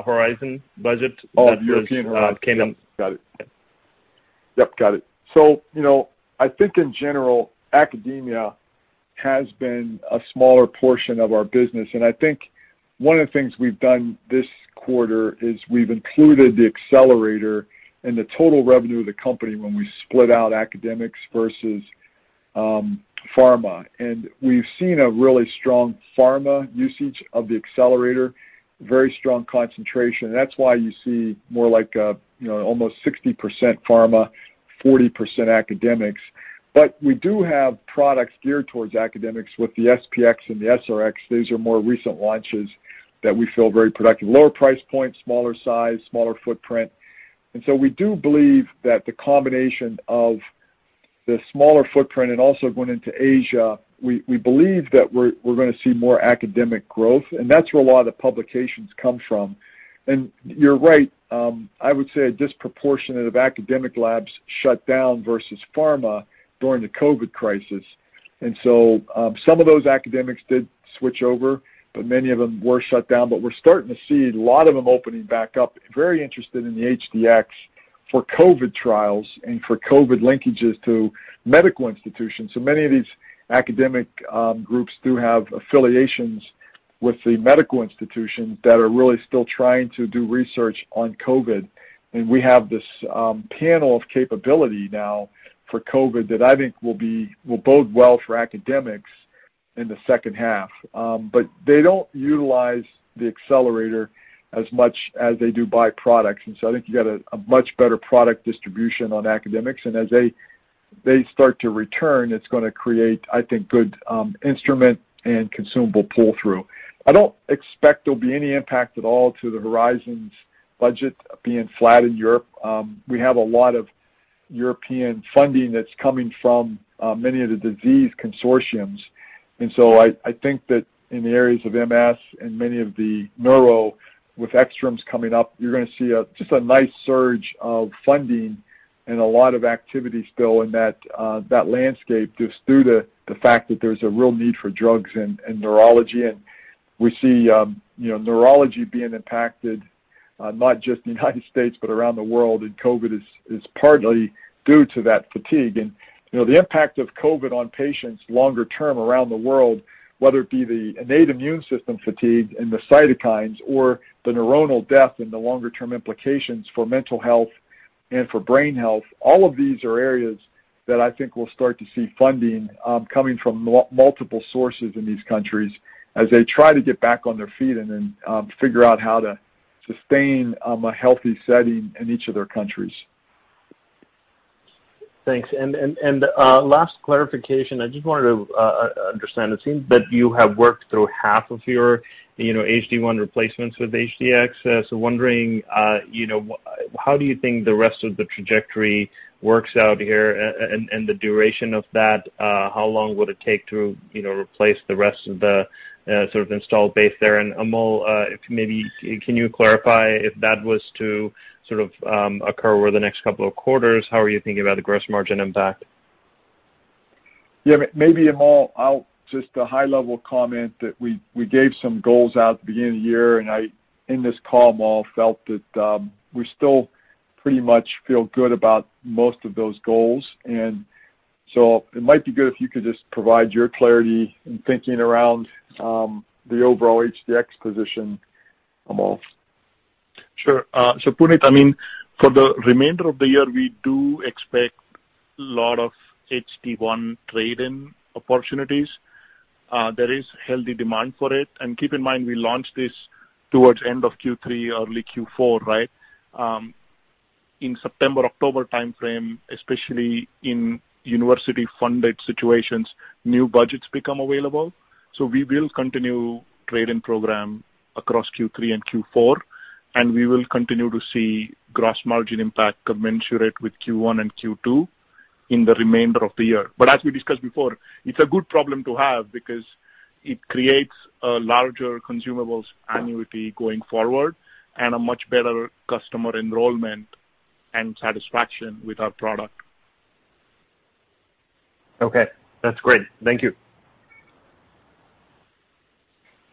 Horizon budget that just came in. Oh, Horizon Europe, got it. Yep, got it. I think in general, academia has been a smaller portion of our business. I think one of the things we've done this quarter is we've included the Accelerator and the total revenue of the company when we split out academics versus pharma. We've seen a really strong pharma usage of the Accelerator, a very strong concentration. That's why you see more like almost 60% pharma, 40% academics. We do have products geared towards academics with the SP-X and the SR-X. These are more recent launches that we feel very productive. Lower price point, smaller size, smaller footprint, and so we do believe that the combination of the smaller footprint and also going into Asia, we believe that we're going to see more academic growth, and that's where a lot of the publications come from. You're right, I would say a disproportionate of academic labs shut down versus pharma during the COVID crisis. Some of those academics did switch over, but many of them were shut down. We're starting to see a lot of them opening back up, very interested in the HD-X for COVID trials and for COVID linkages to medical institutions. Many of these academic groups do have affiliations with the medical institutions that are really still trying to do research on COVID. We have this panel of capability now for COVID that I think will bode well for academics in the second half. They don't utilize the Accelerator as much as they do by products. I think you got a much better product distribution on academics. As they start to return, it's going to create, I think, good instrument and consumable pull-through. I don't expect there'll be any impact at all to the Horizon's budget being flat in Europe. We have a lot of European funding that's coming from many of the disease consortiums. I think that in the areas of MS and many of the neuro with ECTRIMS coming up, you're going to see just a nice surge of funding and a lot of activity still in that landscape, just through the fact that there's a real need for drugs and neurology. We see neurology being impacted, not just in the U.S., but around the world, and COVID is partly due to that fatigue. The impact of COVID on patients longer term around the world, whether it be the innate immune system fatigue and the cytokines or the neuronal death and the longer-term implications for mental health and for brain health, all of these are areas that I think we'll start to see funding coming from multiple sources in these countries as they try to get back on their feet and then figure out how to sustain a healthy setting in each of their countries. Thanks, and last clarification, I just wanted to understand, it seems that you have worked through half of your HD-1 replacements with HD-X. Wondering, how do you think the rest of the trajectory works out here and the duration of that? How long would it take to replace the rest of the sort of installed base there? Amol, if maybe can you clarify if that was to sort of occur over the next couple of quarters, how are you thinking about the gross margin impact? Yeah, maybe Amol, I'll just a high-level comment that we gave some goals out at the beginning of the year, and I, in this call, Amol, felt that we still pretty much feel good about most of those goals. It might be good if you could just provide your clarity and thinking around the overall HD-X position, Amol. Sure. Puneet, I mean, for the remainder of the year, we do expect lot of HD-1 trade-in opportunities. There is healthy demand for it. Keep in mind, we launched this towards end of Q3, early Q4, right? In September, October timeframe, especially in university-funded situations, new budgets become available. We will continue trade-in program across Q3 and Q4, and we will continue to see gross margin impact commensurate with Q1 and Q2 in the remainder of the year. As we discussed before, it's a good problem to have because it creates a larger consumables annuity going forward and a much better customer enrollment and satisfaction with our product. Okay, that's great. Thank you.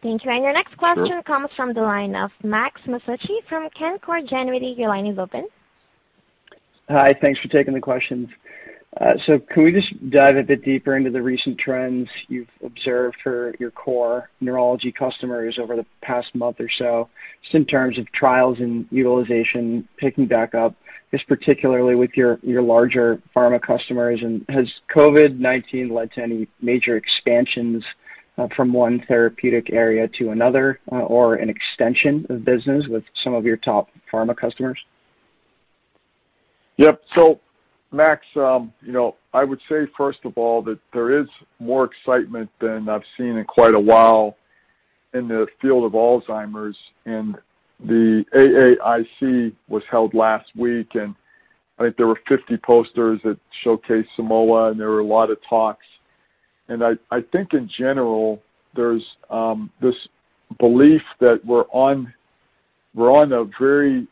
Thank you. Your next question comes from the line of Max Masucci from Canaccord Genuity. Your line is open. Hi. Thanks for taking the questions. Can we just dive a bit deeper into the recent trends you've observed for your core neurology customers over the past month or so, just in terms of trials and utilization picking back up, just particularly with your larger pharma customers? Has COVID-19 led to any major expansions from one therapeutic area to another or an extension of business with some of your top pharma customers? Yep. Max, I would say, first of all, that there is more excitement than I've seen in quite a while in the field of Alzheimer's. The AAIC was held last week. I think there were 50 posters that showcased Simoa and there were a lot of talks. I think in general, there's this belief that we're on a very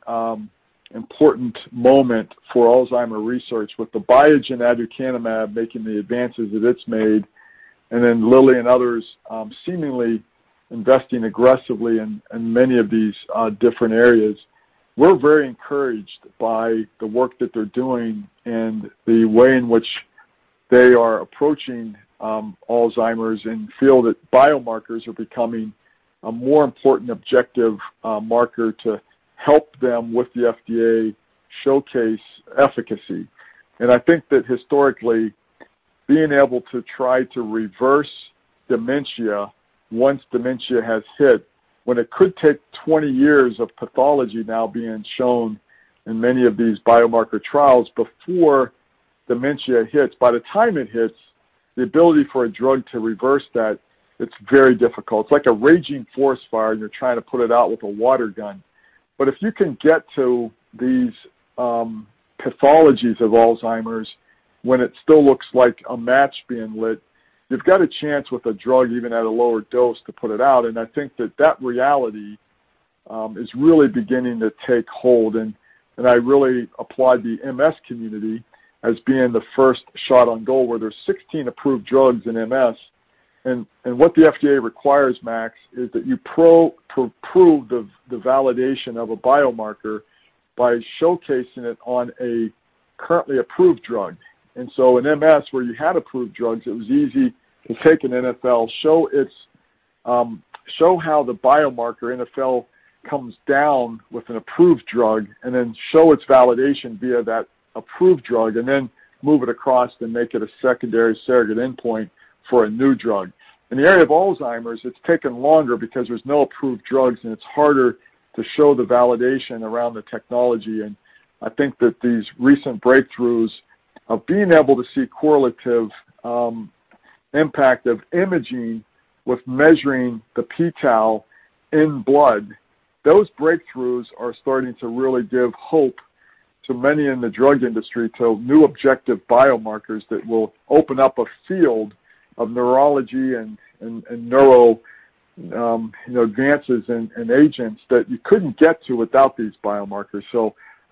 important moment for Alzheimer's research with the Biogen aducanumab making the advances that it's made, and then Lilly and others, seemingly, investing aggressively in many of these different areas. We're very encouraged by the work that they're doing and the way in which they are approaching Alzheimer's and feel that biomarkers are becoming a more important objective marker to help them with the FDA showcase efficacy. I think that historically, being able to try to reverse dementia once dementia has hit, when it could take 20 years of pathology now being shown in many of these biomarker trials before dementia hits, and by the time it hits, the ability for a drug to reverse that, it's very difficult. It's like a raging forest fire, and you're trying to put it out with a water gun. If you can get to these pathologies of Alzheimer's when it still looks like a match being lit, you've got a chance with a drug, even at a lower dose, to put it out. I think that that reality is really beginning to take hold, and I really applaud the MS community as being the first shot on goal, where there's 16 approved drugs in MS. What the FDA requires, Max, is that you prove the validation of a biomarker by showcasing it on a currently approved drug. In MS, where you had approved drugs, it was easy to take an NfL, show how the biomarker NfL comes down with an approved drug, then show its validation via that approved drug, and then move it across, then make it a secondary surrogate endpoint for a new drug. In the area of Alzheimer's, it's taken longer because there's no approved drugs, and it's harder to show the validation around the technology. I think that these recent breakthroughs of being able to see correlative impact of imaging with measuring the p-tau in blood, those breakthroughs are starting to really give hope to many in the drug industry to new objective biomarkers that will open up a field of neurology and neural advances and agents that you couldn't get to without these biomarkers.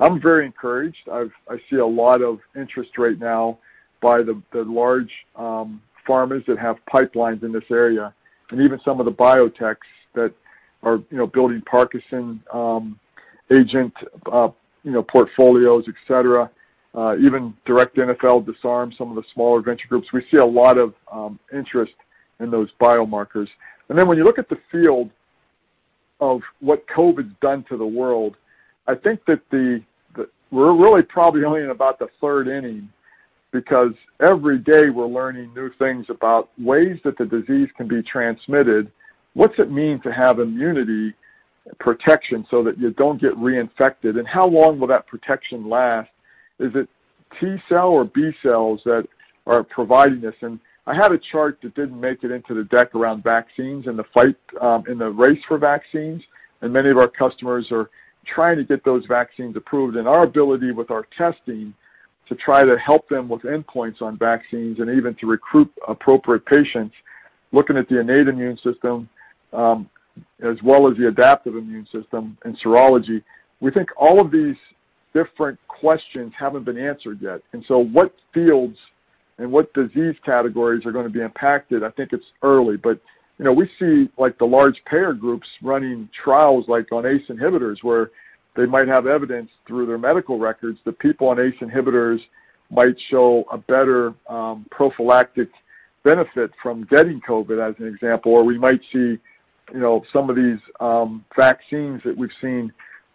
I'm very encouraged. I see a lot of interest right now by the large pharmas that have pipelines in this area, and even some of the biotechs that are building Parkinson's agent portfolios, et cetera, even direct NfL or Disarm some of the smaller venture groups. We see a lot of interest in those biomarkers. When you look at the field of what COVID's done to the world, I think that we're really probably only in about the third inning, because every day we're learning new things about ways that the disease can be transmitted. What's it mean to have immunity, protection so that you don't get reinfected, and how long will that protection last? Is it T cell or B cells that are providing this? I had a chart that didn't make it into the deck around vaccines and the fight in the race for vaccines, and many of our customers are trying to get those vaccines approved. Our ability with our testing to try to help them with endpoints on vaccines and even to recruit appropriate patients, looking at the innate immune system, as well as the adaptive immune system and serology. We think all of these different questions haven't been answered yet. What fields and what disease categories are going to be impacted? I think it's early, but we see the large payer groups running trials on ACE inhibitors, where they might have evidence through their medical records that people on ACE inhibitors might show a better prophylactic benefit from getting COVID, as an example, or we might see some of these vaccines that we've seen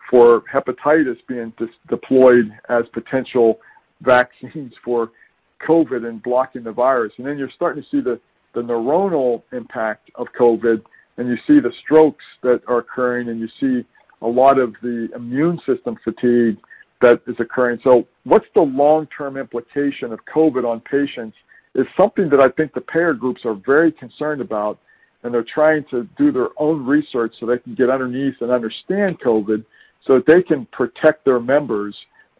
for hepatitis being deployed as potential vaccines for COVID and blocking the virus. You're starting to see the neuronal impact of COVID, and you see the strokes that are occurring, and you see a lot of the immune system fatigue that is occurring. What's the long-term implication of COVID on patients is something that I think the payer groups are very concerned about, and they're trying to do their own research so they can get underneath and understand COVID so that they can protect their members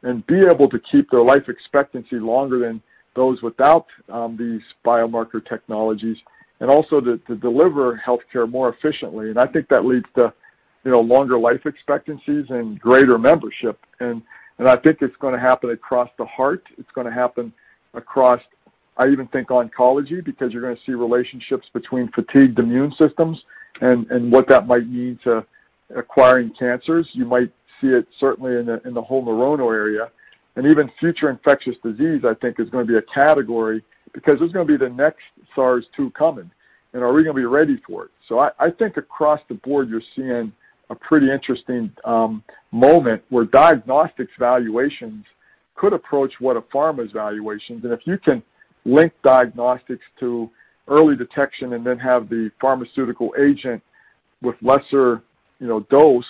and be able to keep their life expectancy longer than those without these biomarker technologies, and also to deliver healthcare more efficiently. I think that leads to longer life expectancies and greater membership. I think it's going to happen across the heart. It's going to happen across, I even think, oncology, because you're going to see relationships between fatigued immune systems and what that might mean to acquiring cancers. You might see it certainly in the whole neuronal area. Even future infectious disease, I think, is going to be a category, because there's going to be the next SARS-2 coming, and are we going to be ready for it? I think across the board, you're seeing a pretty interesting moment where diagnostics valuations could approach what a pharma's valuation. If you can link diagnostics to early detection, and then have the pharmaceutical agent with lesser dose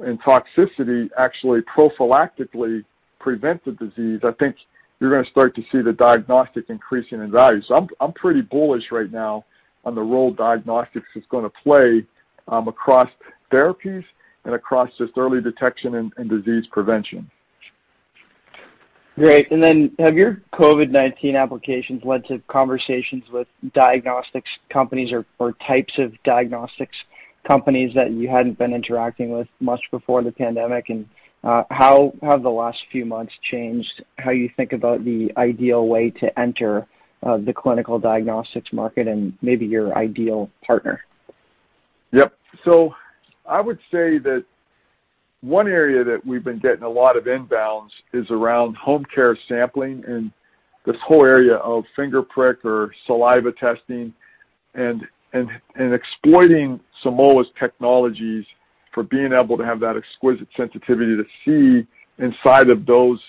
and toxicity actually prophylactically prevent the disease, I think you're going to start to see the diagnostic increasing in value. I'm pretty bullish right now on the role diagnostics is going to play across therapies and across just early detection and disease prevention. Great, and then have your COVID-19 applications led to conversations with diagnostics companies, or types of diagnostics companies that you hadn't been interacting with much before the pandemic? How have the last few months changed how you think about the ideal way to enter the clinical diagnostics market and maybe your ideal partner? Yep. I would say that one area that we've been getting a lot of inbounds is around home care sampling, and this whole area of finger prick or saliva testing, and exploiting Simoa's technologies for being able to have that exquisite sensitivity to see inside of those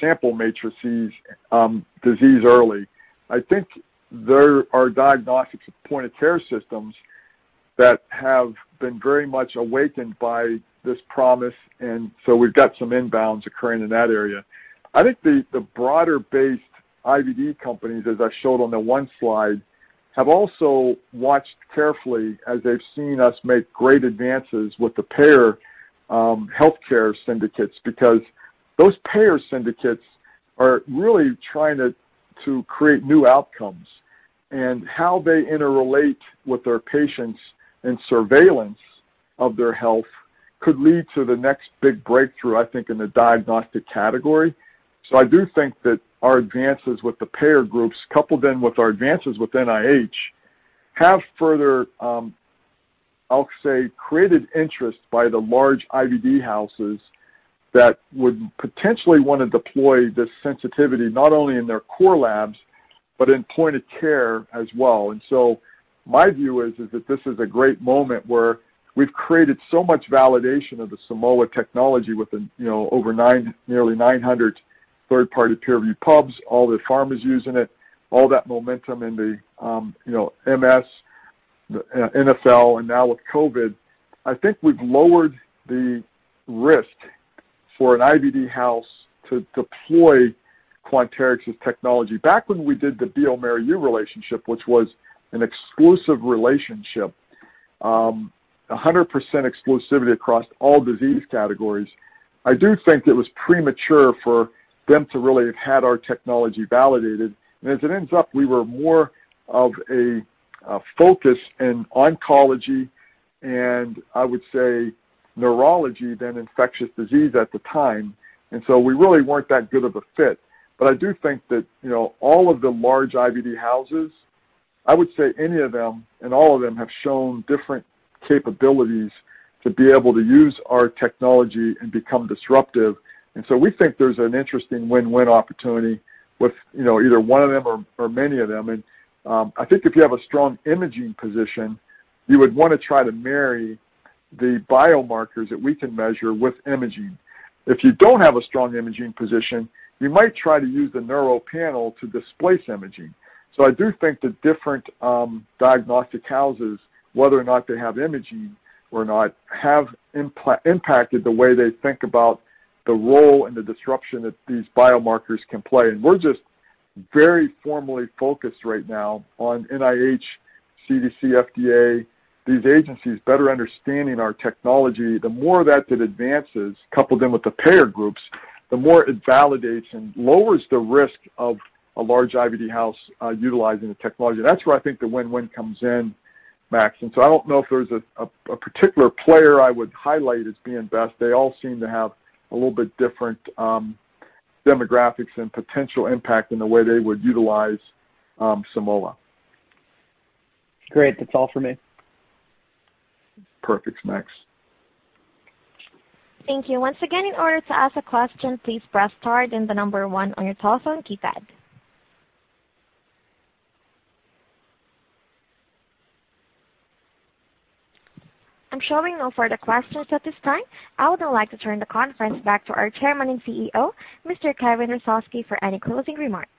sample matrices disease early. I think there are diagnostics point-of-care systems that have been very much awakened by this promise, and so we've got some inbounds occurring in that area. I think the broader-based IVD companies, as I showed on the one slide, have also watched carefully as they've seen us make great advances with the payer healthcare syndicates because those payer syndicates are really trying to create new outcomes, and how they interrelate with their patients and surveillance of their health could lead to the next big breakthrough, I think, in the diagnostic category. I do think that our advances with the payer groups, coupled in with our advances with NIH, have further, I'll say, created interest by the large IVD houses that would potentially want to deploy this sensitivity, not only in their core labs, but in point of care as well. My view is that this is a great moment where we've created so much validation of the Simoa technology with nearly 900 third-party peer-review pubs, all the pharmas using it, all that momentum in the MS, NfL, and now with COVID. I think we've lowered the risk for an IVD house to deploy Quanterix's technology. Back when we did the bioMérieux relationship, which was an exclusive relationship, 100% exclusivity across all disease categories, I do think it was premature for them to really have had our technology validated. As it ends up, we were more of a focus in oncology and I would say neurology than infectious disease at the time. We really weren't that good of a fit. I do think that all of the large IVD houses, I would say any of them and all of them have shown different capabilities to be able to use our technology and become disruptive. We think there's an interesting win-win opportunity with either one of them or many of them. I think if you have a strong imaging position, you would want to try to marry the biomarkers that we can measure with imaging. If you don't have a strong imaging position, you might try to use the neuro panel to displace imaging. I do think the different diagnostic houses, whether or not they have imaging or not, have impacted the way they think about the role and the disruption that these biomarkers can play. We're just very formally focused right now on NIH, CDC, FDA, these agencies better understanding our technology. The more that it advances, coupled in with the payer groups, the more it validates and lowers the risk of a large IVD house utilizing the technology. That's where I think the win-win comes in, Max. I don't know if there's a particular player I would highlight as being best. They all seem to have a little bit different demographics and potential impact in the way they would utilize Simoa. Great. That's all for me. Perfect, Max. Thank you. Once again, in order to ask a question, please press star, then the number one on your telephone keypad. I'm showing no further questions at this time. I would now like to turn the conference back to our Chairman and CEO, Mr. Kevin Hrusovsky, for any closing remarks.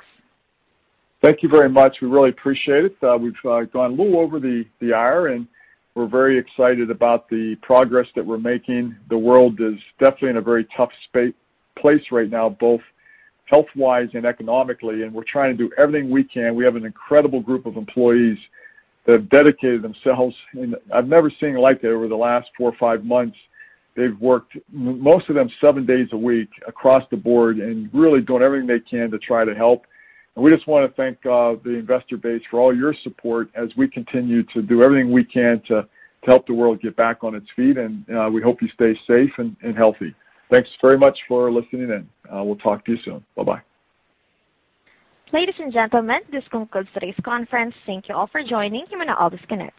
Thank you very much. We really appreciate it. We've gone a little over the hour and we're very excited about the progress that we're making. The world is definitely in a very tough place right now, both health-wise and economically, and we're trying to do everything we can. We have an incredible group of employees that have dedicated themselves. I've never seen like it over the last four or five months. They've worked, most of them, seven days a week across the board and really doing everything they can to try to help. We just want to thank the investor base for all your support as we continue to do everything we can to help the world get back on its feet. We hope you stay safe and healthy. Thanks very much for listening in. We'll talk to you soon. Bye-bye. Ladies and gentlemen, this concludes today's conference. Thank you all for joining. You may all now disconnect.